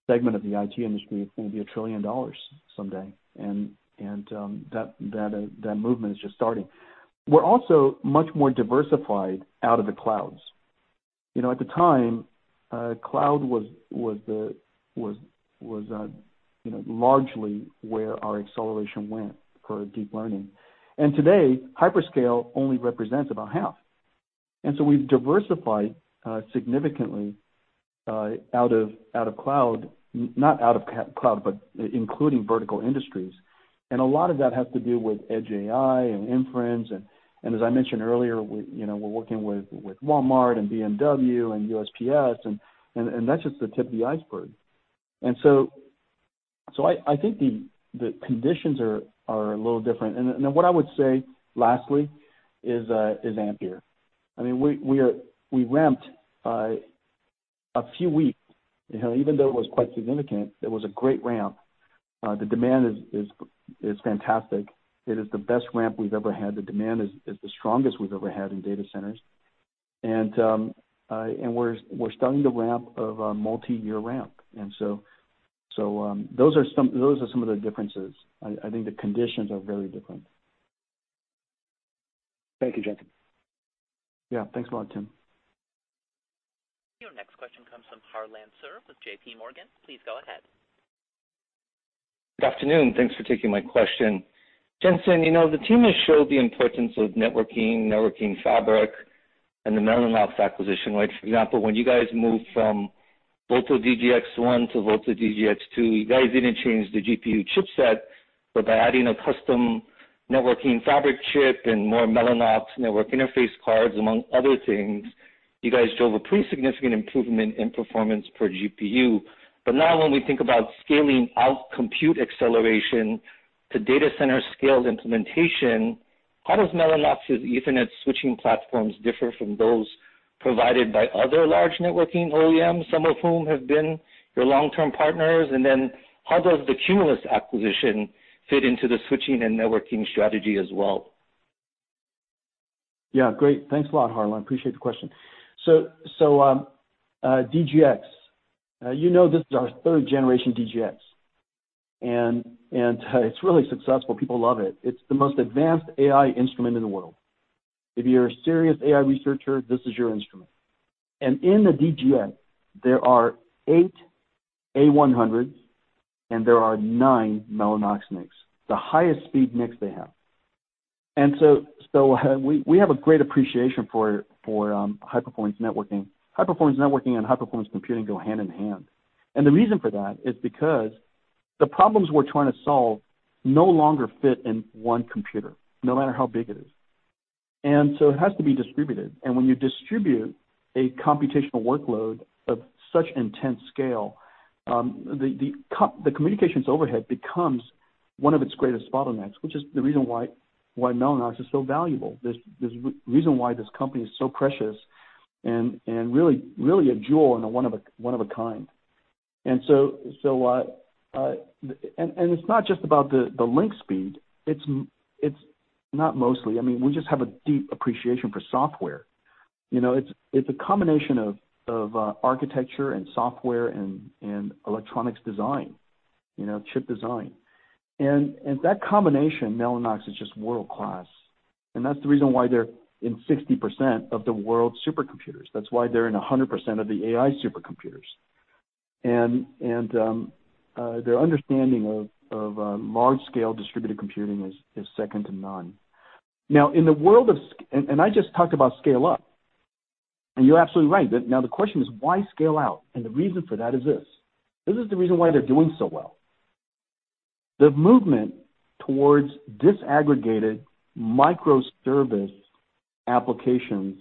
segment of the IT industry. It's going to be a trillion dollars someday, and that movement is just starting. We're also much more diversified out of the clouds. At the time, cloud was largely where our acceleration went for deep learning. Today, hyperscale only represents about half. We've diversified significantly out of cloud, not out of cloud, but including vertical industries. A lot of that has to do with edge AI and inference, and as I mentioned earlier, we're working with Walmart and BMW and USPS, and that's just the tip of the iceberg. I think the conditions are a little different. What I would say, lastly, is Ampere. We ramped a few weeks, even though it was quite significant, it was a great ramp. The demand is fantastic. It is the best ramp we've ever had. The demand is the strongest we've ever had in data centers. We're starting the ramp of a multi-year ramp. Those are some of the differences. I think the conditions are very different. Thank you, Jensen. Thanks a lot, Tim. Your next question comes from Harlan Sur with JP Morgan. Please go ahead. Good afternoon. Thanks for taking my question. Jensen, the team has showed the importance of networking fabric, and the Mellanox acquisition. Like, for example, when you guys moved from Volta DGX1 to Volta DGX2, you guys didn't change the GPU chipset, but by adding a custom networking fabric chip and more Mellanox network interface cards, among other things, you guys drove a pretty significant improvement in performance per GPU. Now when we think about scaling out compute acceleration to data center scaled implementation, how does Mellanox's Ethernet switching platforms differ from those provided by other large networking OEMs, some of whom have been your long-term partners? How does the Cumulus acquisition fit into the switching and networking strategy as well? Yeah, great. Thanks a lot, Harlan. Appreciate the question. DGX, you know this is our third generation DGX, and it's really successful. People love it. It's the most advanced AI instrument in the world. If you're a serious AI researcher, this is your instrument. In the DGX, there are eight A100s, and there are nine Mellanox NICs, the highest speed NICs they have. We have a great appreciation for high-performance networking. High-performance networking and high-performance computing go hand-in-hand. The reason for that is because the problems we're trying to solve no longer fit in one computer, no matter how big it is. It has to be distributed. When you distribute a computational workload of such intense scale, the communications overhead becomes one of its greatest bottlenecks, which is the reason why Mellanox is so valuable. There's reason why this company is so precious and really a jewel, and one of a kind. It's not just about the link speed. It's not mostly. We just have a deep appreciation for software. It's a combination of architecture and software and electronics design, chip design. That combination, Mellanox is just world-class, and that's the reason why they're in 60% of the world's supercomputers. That's why they're in 100% of the AI supercomputers. Their understanding of large-scale distributed computing is second to none. I just talked about scale up, and you're absolutely right. Now the question is: Why scale out? The reason for that is this. This is the reason why they're doing so well. The movement towards disaggregated microservice applications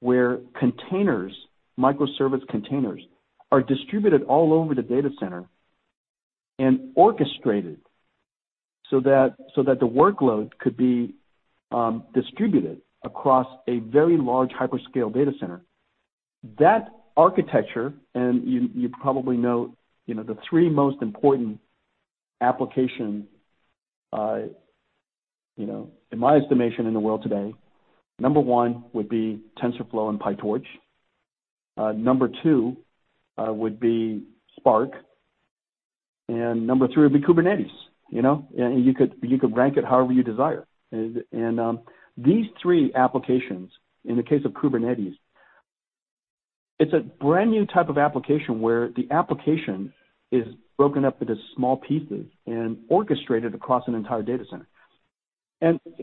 where containers, microservice containers, are distributed all over the data center and orchestrated so that the workload could be distributed across a very large hyperscale data center. That architecture, you probably know the three most important application, in my estimation, in the world today, number 1 would be TensorFlow and PyTorch. Number 2 would be Spark. Number 3 would be Kubernetes. You could rank it however you desire. These three applications, in the case of Kubernetes, it's a brand-new type of application where the application is broken up into small pieces and orchestrated across an entire data center.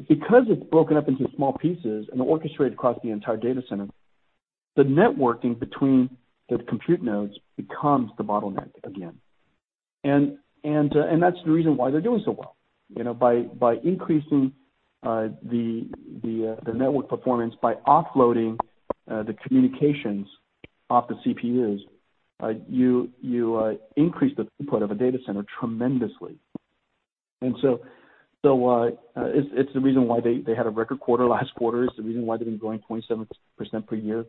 Because it's broken up into small pieces and orchestrated across the entire data center, the networking between the compute nodes becomes the bottleneck again. That's the reason why they're doing so well. By increasing the network performance, by offloading the communications off the CPUs, you increase the throughput of a data center tremendously. It's the reason why they had a record quarter last quarter. It's the reason why they've been growing 27% per year.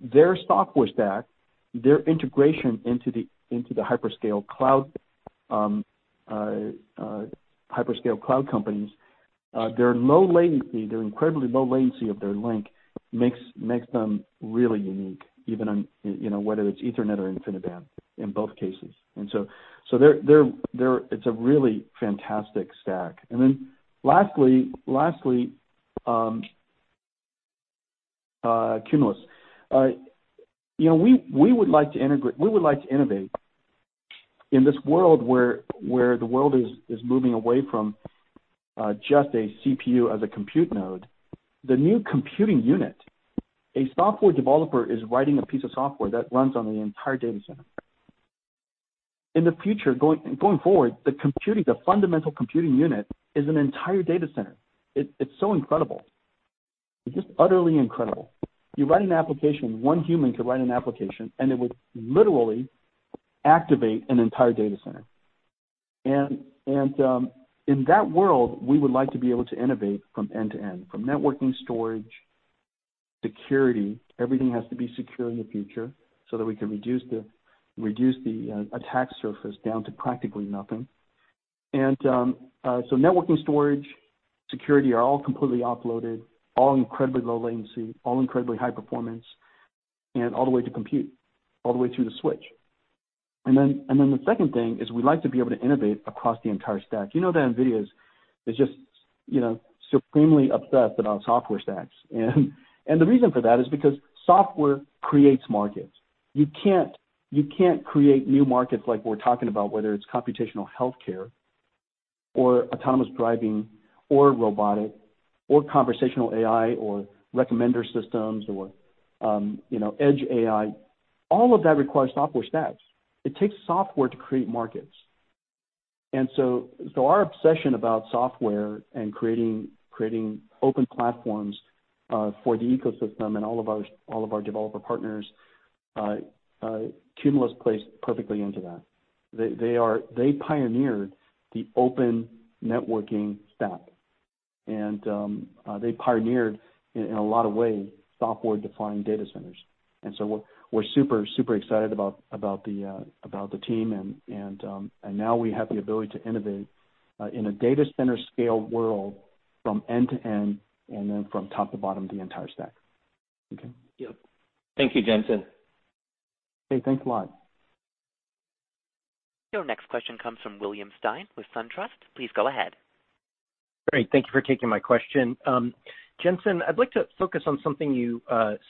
Their software stack, their integration into the hyperscale cloud companies, their incredibly low latency of their link makes them really unique, even on whether it's Ethernet or InfiniBand, in both cases. It's a really fantastic stack. Lastly, Cumulus. We would like to innovate in this world where the world is moving away from just a CPU as a compute node. The new computing unit, a software developer is writing a piece of software that runs on the entire data center. In the future, going forward, the fundamental computing unit is an entire data center. It's so incredible. It's just utterly incredible. You write an application, one human could write an application, it would literally activate an entire data center. In that world, we would like to be able to innovate from end to end, from networking, storage, security. Everything has to be secure in the future so that we can reduce the attack surface down to practically nothing. Networking, storage, security are all completely offloaded, all incredibly low latency, all incredibly high performance, all the way to compute, all the way through the switch. The second thing is we'd like to be able to innovate across the entire stack. You know that NVIDIA is just supremely obsessed about software stacks. The reason for that is because software creates markets. You can't create new markets like we're talking about, whether it's computational healthcare or autonomous driving or robotic or conversational AI or recommender systems or edge AI. All of that requires software stacks. It takes software to create markets. Our obsession about software and creating open platforms for the ecosystem and all of our developer partners, Cumulus plays perfectly into that. They pioneered the open networking stack, they pioneered, in a lot of ways, software-defined data centers. We're super excited about the team and now we have the ability to innovate in a data center scale world from end to end, and then from top to bottom, the entire stack. Okay. Yep. Thank you, Jensen. Hey, thanks a lot. Your next question comes from William Stein with SunTrust. Please go ahead. Great. Thank you for taking my question. Jensen, I'd like to focus on something you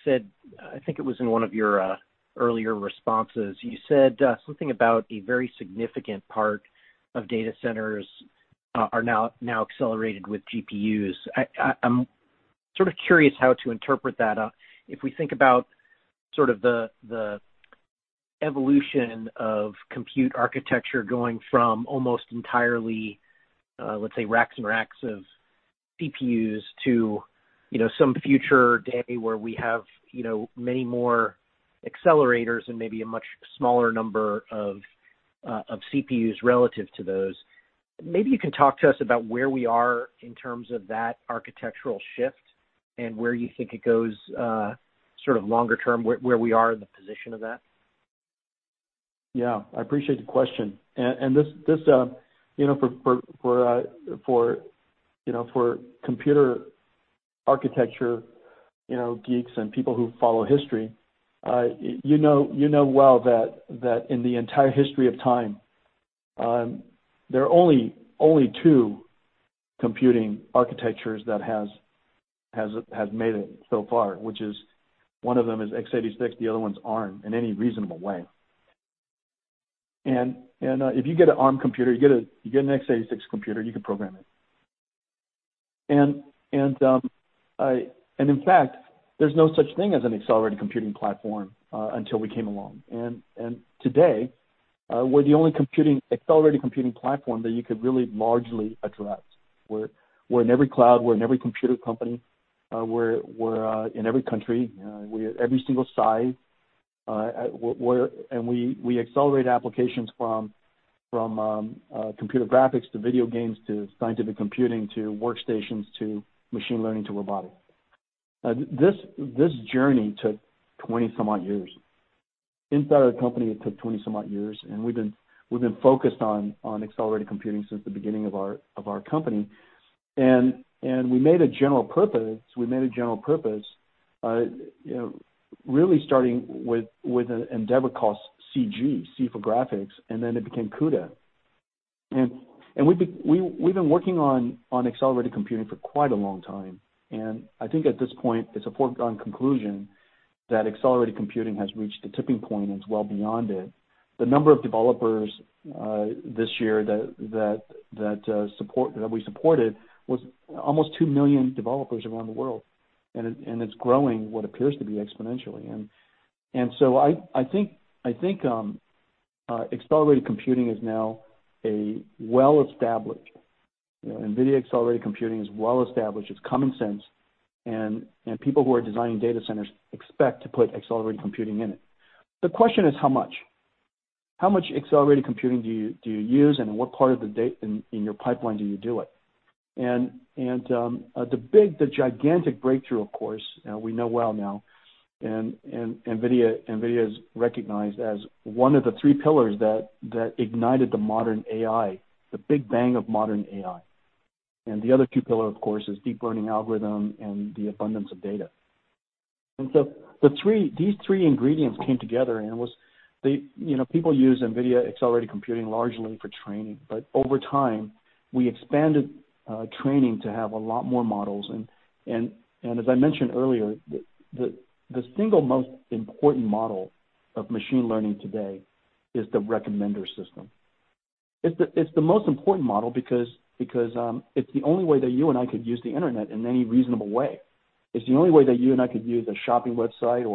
said, I think it was in one of your earlier responses. You said something about a very significant part of data centers are now accelerated with GPUs. I'm sort of curious how to interpret that. If we think about sort of the evolution of compute architecture going from almost entirely, let's say, racks and racks of CPUs to some future day where we have many more accelerators and maybe a much smaller number of CPUs relative to those. Maybe you can talk to us about where we are in terms of that architectural shift and where you think it goes sort of longer term, where we are in the position of that. Yeah. I appreciate the question. For computer architecture geeks and people who follow history, you know well that in the entire history of time, there are only two computing architectures that has made it so far, which is one of them is x86, the other one's ARM, in any reasonable way. If you get an ARM computer, you get an x86 computer, you can program it. In fact, there's no such thing as an accelerated computing platform until we came along. Today, we're the only accelerated computing platform that you could really largely address. We're in every cloud, we're in every computer company, we're in every country, every single size, and we accelerate applications from computer graphics to video games to scientific computing to workstations to machine learning to robotic. This journey took 20 some odd years. Inside our company, it took 20 some odd years. We've been focused on accelerated computing since the beginning of our company. Really starting with an endeavor called Cg, C for graphics, and then it became CUDA. We've been working on accelerated computing for quite a long time, and I think at this point, it's a foregone conclusion that accelerated computing has reached a tipping point and it's well beyond it. The number of developers this year that we supported was almost 2 million developers around the world, and it's growing what appears to be exponentially. I think accelerated computing is now well-established. NVIDIA accelerated computing is well-established. It's common sense, and people who are designing data centers expect to put accelerated computing in it. The question is how much? How much accelerated computing do you use, and what part of the data in your pipeline do you do it? The big, the gigantic breakthrough, of course, we know well now, and NVIDIA is recognized as one of the three pillars that ignited the modern AI, the big bang of modern AI. The other two pillar, of course, is deep learning algorithm and the abundance of data. These three ingredients came together and people use NVIDIA accelerated computing largely for training. Over time, we expanded training to have a lot more models. As I mentioned earlier, the single most important model of machine learning today is the recommender system. It's the most important model because it's the only way that you and I could use the internet in any reasonable way. It's the only way that you and I could use a shopping website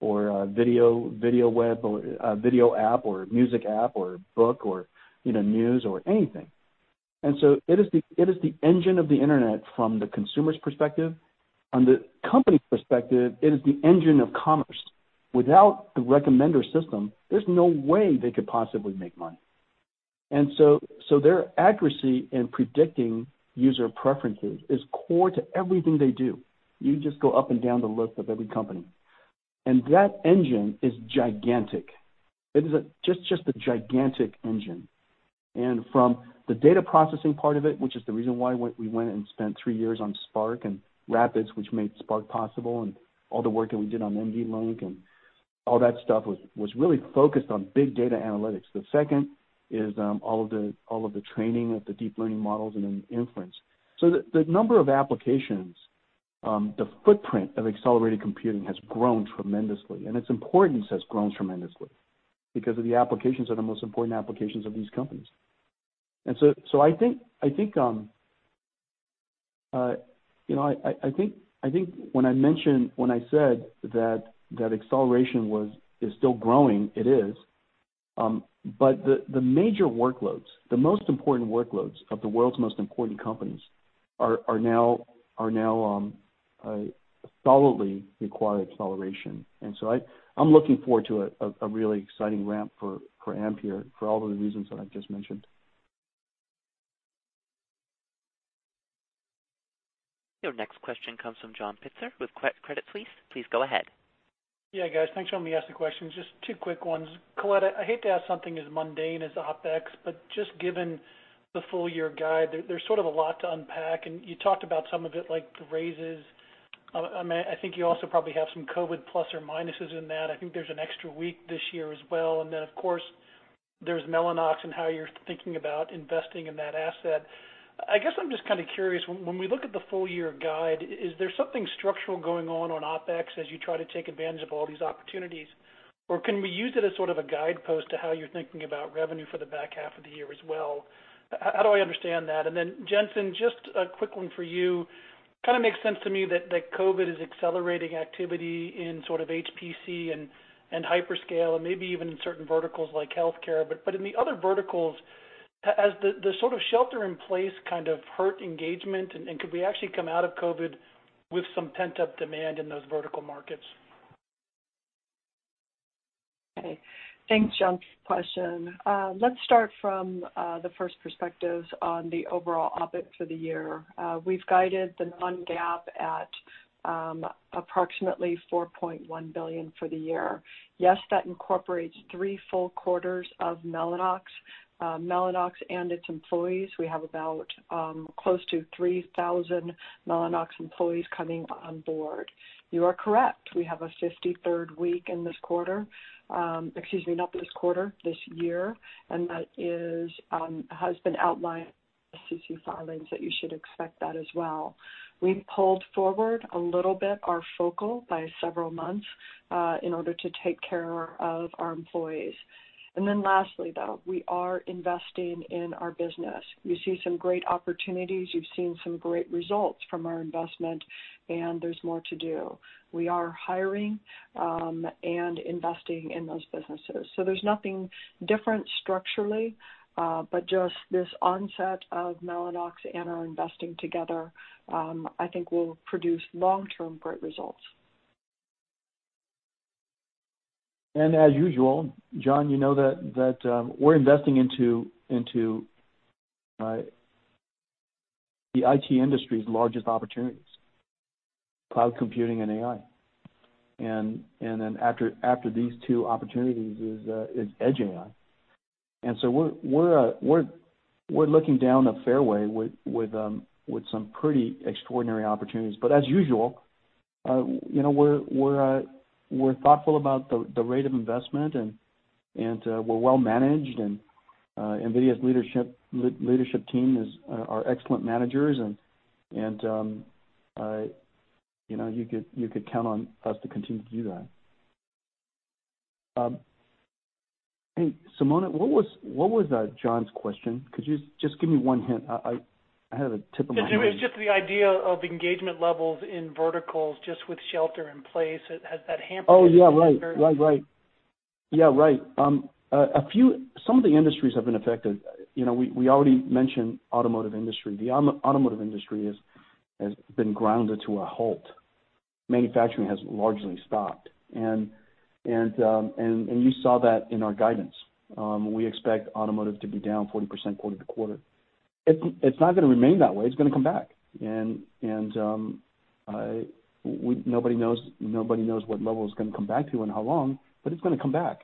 or a video web or a video app or a music app or a book or news or anything. It is the engine of the internet from the consumer's perspective. On the company perspective, it is the engine of commerce. Without the recommender system, there's no way they could possibly make money. Their accuracy in predicting user preferences is core to everything they do. You just go up and down the list of every company. That engine is gigantic. It is just a gigantic engine. From the data processing part of it, which is the reason why we went and spent three years on Spark and RAPIDS, which made Spark possible, and all the work that we did on NVLink and all that stuff was really focused on big data analytics. The second is all of the training of the deep learning models and then inference. The number of applications, the footprint of accelerated computing has grown tremendously, and its importance has grown tremendously because of the applications are the most important applications of these companies. I think when I said that acceleration is still growing, it is. The major workloads, the most important workloads of the world's most important companies are now solidly require acceleration. I'm looking forward to a really exciting ramp for Ampere for all of the reasons that I just mentioned. Your next question comes from John Pitzer with Credit Suisse. Please go ahead. Yeah, guys. Thanks for letting me ask the questions. Just two quick ones. Colette, I hate to ask something as mundane as OpEx, but just given the full year guide, there's sort of a lot to unpack, and you talked about some of it, like the raises. I think you also probably have some COVID plus or minuses in that. I think there's an extra week this year as well. Then, of course, there's Mellanox and how you're thinking about investing in that asset. I guess I'm just kind of curious, when we look at the full year guide, is there something structural going on on OpEx as you try to take advantage of all these opportunities? Can we use it as sort of a guidepost to how you're thinking about revenue for the back half of the year as well? How do I understand that? Jensen, just a quick one for you. Kind of makes sense to me that COVID-19 is accelerating activity in sort of HPC and hyperscale and maybe even in certain verticals like healthcare. In the other verticals, has the sort of shelter in place kind of hurt engagement, and could we actually come out of COVID-19 with some pent-up demand in those vertical markets? Okay. Thanks, John, for the question. Let's start from the first perspective on the overall OpEx for the year. We've guided the non-GAAP at approximately $4.1 billion for the year. Yes, that incorporates three full quarters of Mellanox. Mellanox and its employees, we have about close to 3,000 Mellanox employees coming on board. You are correct. We have a 53rd week in this quarter. Excuse me, not this quarter, this year, that has been outlined in SEC filings that you should expect that as well. We pulled forward a little bit our focal by several months in order to take care of our employees. Lastly, though, we are investing in our business. You see some great opportunities. You've seen some great results from our investment, there's more to do. We are hiring and investing in those businesses. There's nothing different structurally, but just this onset of Mellanox and our investing together I think will produce long-term great results. As usual, John, you know that we're investing into the IT industry's largest opportunities, cloud computing and AI. After these two opportunities is edge AI. We're looking down a fairway with some pretty extraordinary opportunities. As usual, we're thoughtful about the rate of investment, and we're well-managed, and NVIDIA's leadership team are excellent managers, and you could count on us to continue to do that. Hey, Simona, what was John's question? Could you just give me one hint? It was just the idea of engagement levels in verticals, just with shelter in place. Has that hampered? Oh, yeah. Right at all? Yeah, right. Some of the industries have been affected. We already mentioned automotive industry. The automotive industry has been grounded to a halt. Manufacturing has largely stopped. You saw that in our guidance. We expect automotive to be down 40% quarter-to-quarter. It's not going to remain that way. It's going to come back. Nobody knows what level it's going to come back to and how long, but it's going to come back.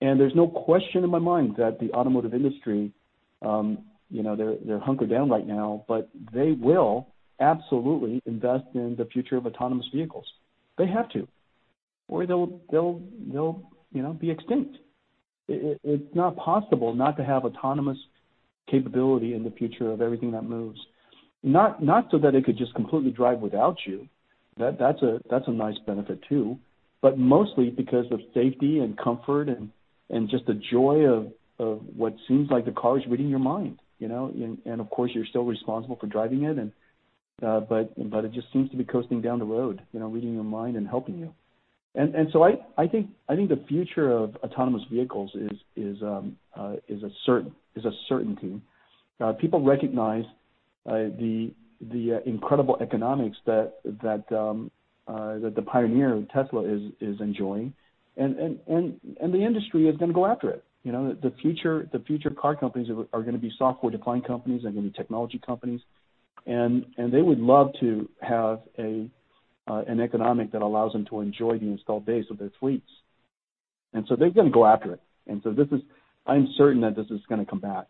There's no question in my mind that the automotive industry, they're hunkered down right now, but they will absolutely invest in the future of autonomous vehicles. They have to, or they'll be extinct. It's not possible not to have autonomous capability in the future of everything that moves. Not so that it could just completely drive without you. That's a nice benefit too, but mostly because of safety and comfort and, just the joy of what seems like the car is reading your mind. Of course, you're still responsible for driving it, but it just seems to be coasting down the road, reading your mind and helping you. I think the future of autonomous vehicles is a certainty. People recognize the incredible economics that the pioneer, Tesla, is enjoying, and the industry is going to go after it. The future car companies are going to be software-defined companies. They're going to be technology companies. They would love to have an economic that allows them to enjoy the installed base of their fleets. They're going to go after it. I'm certain that this is going to come back,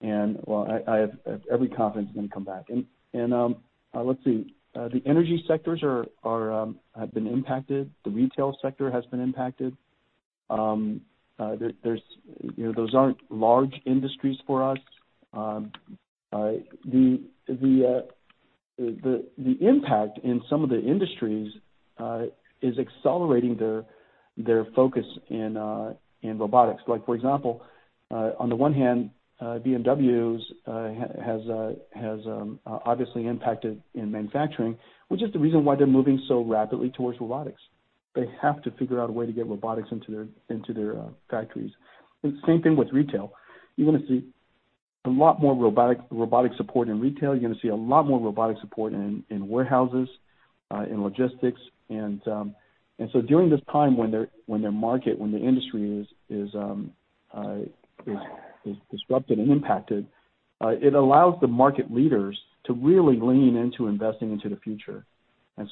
and, well, I have every confidence it's going to come back. Let's see. The energy sectors have been impacted. The retail sector has been impacted. Those aren't large industries for us. The impact in some of the industries, is accelerating their focus in robotics. Like for example, on the one hand, BMW has obviously impacted in manufacturing, which is the reason why they're moving so rapidly towards robotics. They have to figure out a way to get robotics into their factories. Same thing with retail. You're going to see a lot more robotic support in retail. You're going to see a lot more robotic support in warehouses, in logistics, during this time when their market, when their industry is disrupted and impacted, it allows the market leaders to really lean into investing into the future.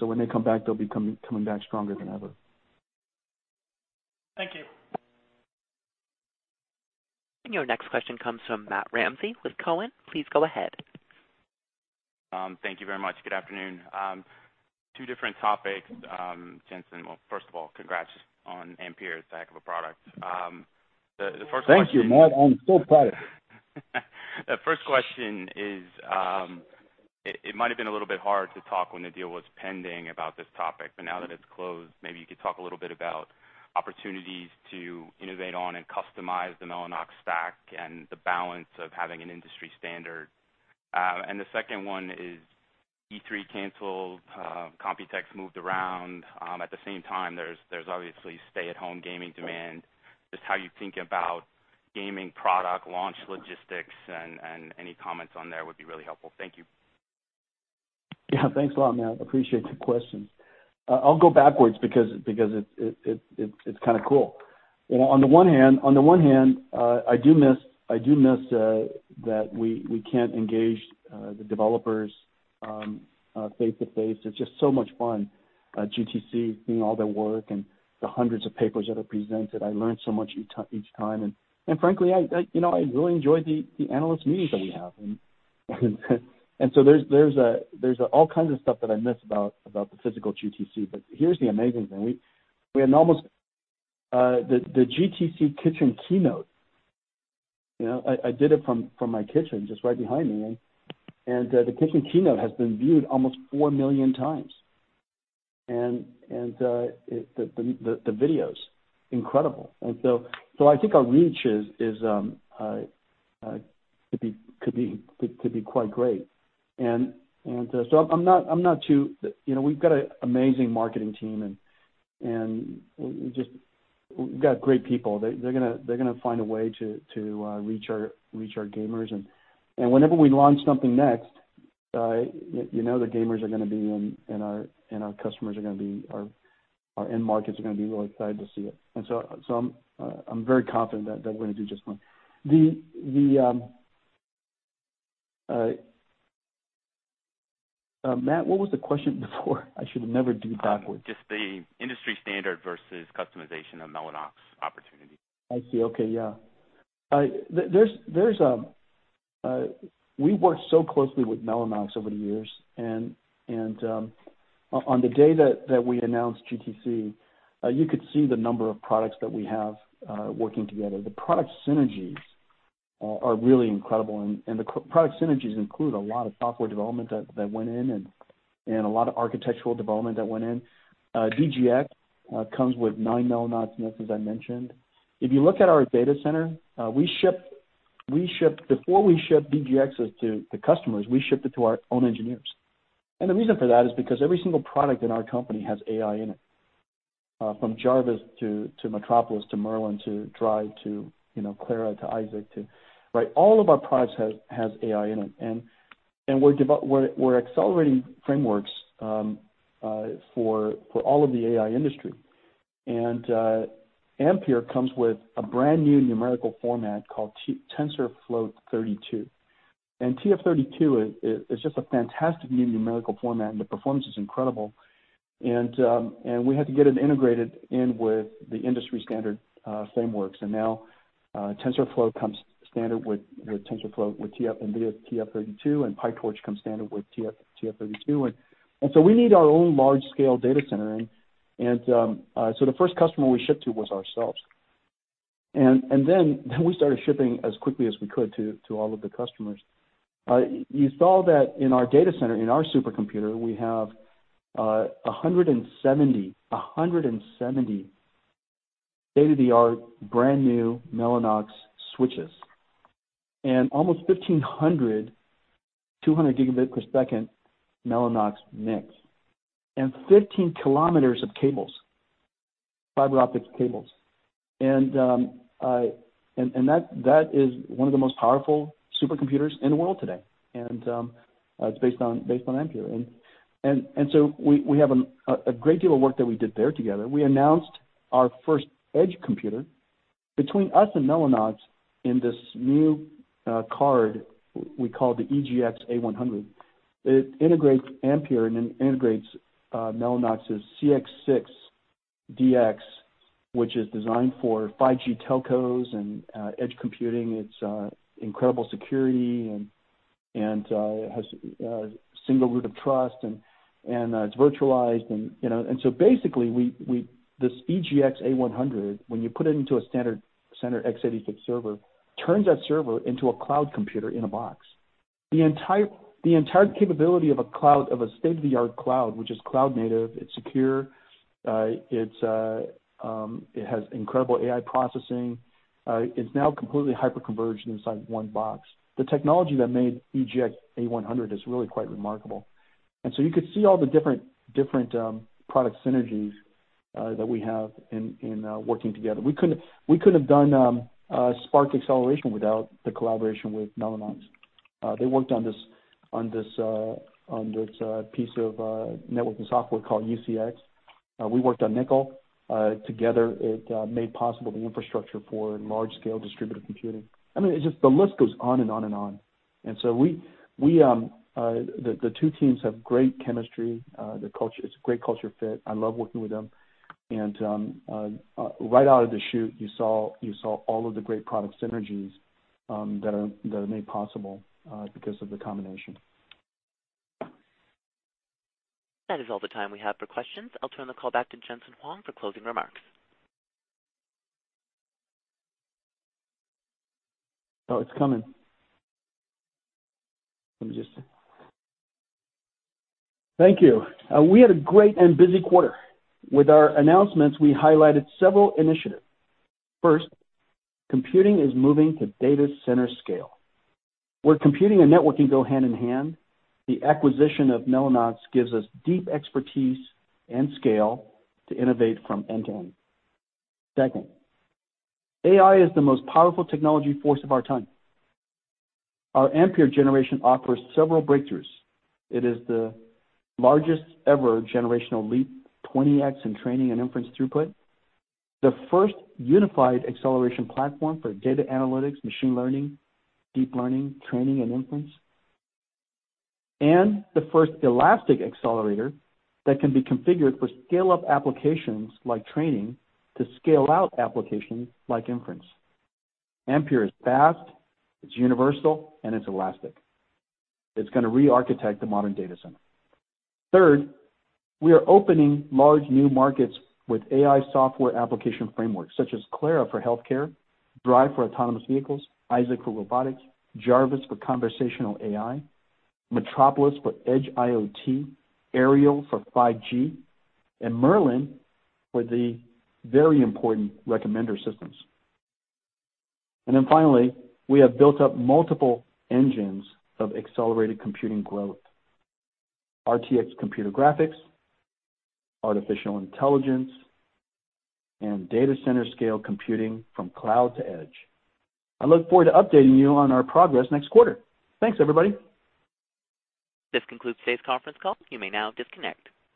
When they come back, they'll be coming back stronger than ever. Thank you. Your next question comes from Matt Ramsay with Cowen. Please go ahead. Thank you very much. Good afternoon. Two different topics, Jensen. Well, first of all, congrats on Ampere. It's a heck of a product. The first question. Thank you, Matt. I'm so proud. The first question is, it might have been a little bit hard to talk when the deal was pending about this topic, but now that it's closed, maybe you could talk a little bit about opportunities to innovate on and customize the Mellanox stack and the balance of having an industry standard. The second one is E3 canceled, Computex moved around. At the same time, there's obviously stay-at-home gaming demand. Just how you think about gaming product launch logistics and any comments on there would be really helpful. Thank you. Thanks a lot, Matt. Appreciate the question. I'll go backwards because it's kind of cool. On the one hand, I do miss that we can't engage the developers face-to-face. It's just so much fun, GTC, seeing all their work and the hundreds of papers that are presented. Frankly, I really enjoy the analyst meetings that we have. There's all kinds of stuff that I miss about the physical GTC. Here's the amazing thing. The GTC kitchen keynote, I did it from my kitchen just right behind me. The kitchen keynote has been viewed almost four million times. The video's incredible. I think our reach could be quite great. We've got an amazing marketing team, and we've got great people. They're going to find a way to reach our gamers. Whenever we launch something next, you know the gamers are going to be, and our customers are going to be, our end markets are going to be really excited to see it. I'm very confident that we're going to do just fine. Matt, what was the question before? I should never do backwards. Just the industry standard versus customization of Mellanox opportunities. I see. Okay. Yeah. We worked so closely with Mellanox over the years and on the day that we announced GTC, you could see the number of products that we have working together. The product synergies are really incredible, and the product synergies include a lot of software development that went in and a lot of architectural development that went in. DGX comes with nine Mellanox NICs, as I mentioned. If you look at our data center, before we ship DGXs to customers, we ship it to our own engineers. The reason for that is because every single product in our company has AI in it, from Jarvis to Metropolis to Merlin to DRIVE to Clara to Isaac. All of our products has AI in it. We're accelerating frameworks for all of the AI industry. Ampere comes with a brand-new numerical format called TensorFloat-32. TF32 is just a fantastic new numerical format, and the performance is incredible. We had to get it integrated in with the industry-standard frameworks. Now TensorFlow comes standard with NVIDIA TF32, and PyTorch comes standard with TF32. We need our own large-scale data center in, so the first customer we shipped to was ourselves. Then we started shipping as quickly as we could to all of the customers. You saw that in our data center, in our supercomputer, we have 170 state-of-the-art, brand-new Mellanox switches and almost 1,500 200 gigabit per second Mellanox NICs and 15 kilometers of cables, fiber optic cables. That is one of the most powerful supercomputers in the world today, and it's based on Ampere. We have a great deal of work that we did there together. We announced our first edge computer. Between us and Mellanox in this new card we call the EGX A100, it integrates Ampere and it integrates Mellanox's ConnectX-6 Dx, which is designed for 5G telcos and edge computing. It's incredible security. It has a single root of trust, and it's virtualized. Basically, this EGX A100, when you put it into a standard center x86 server, turns that server into a cloud computer in a box. The entire capability of a state-of-the-art cloud, which is cloud native, it's secure, it has incredible AI processing, is now completely hyper-converged inside one box. The technology that made EGX A100 is really quite remarkable. You could see all the different product synergies that we have in working together. We couldn't have done Spark acceleration without the collaboration with Mellanox. They worked on this piece of networking software called UCX. We worked on NCCL. Together, it made possible the infrastructure for large-scale distributed computing. I mean, the list goes on and on and on. The two teams have great chemistry. It's a great culture fit. I love working with them. Right out of the chute, you saw all of the great product synergies that are made possible because of the combination. That is all the time we have for questions. I'll turn the call back to Jensen Huang for closing remarks. Thank you. We had a great and busy quarter. With our announcements, we highlighted several initiatives. First, computing is moving to data center scale, where computing and networking go hand in hand. The acquisition of Mellanox gives us deep expertise and scale to innovate from end to end. Second, AI is the most powerful technology force of our time. Our Ampere generation offers several breakthroughs. It is the largest ever generational leap, 20X in training and inference throughput. The first unified acceleration platform for data analytics, machine learning, deep learning, training, and inference. The first elastic accelerator that can be configured for scale-up applications like training to scale-out applications like inference. Ampere is fast, it's universal, and it's elastic. It's going to re-architect the modern data center. Third, we are opening large new markets with AI software application frameworks such as Clara for healthcare, DRIVE for autonomous vehicles, Isaac for robotics, Jarvis for conversational AI, Metropolis for edge IoT, Aerial for 5G, and Merlin for the very important recommender systems. Finally, we have built up multiple engines of accelerated computing growth: RTX computer graphics, artificial intelligence, and data center scale computing from cloud to edge. I look forward to updating you on our progress next quarter. Thanks, everybody. This concludes today's conference call. You may now disconnect.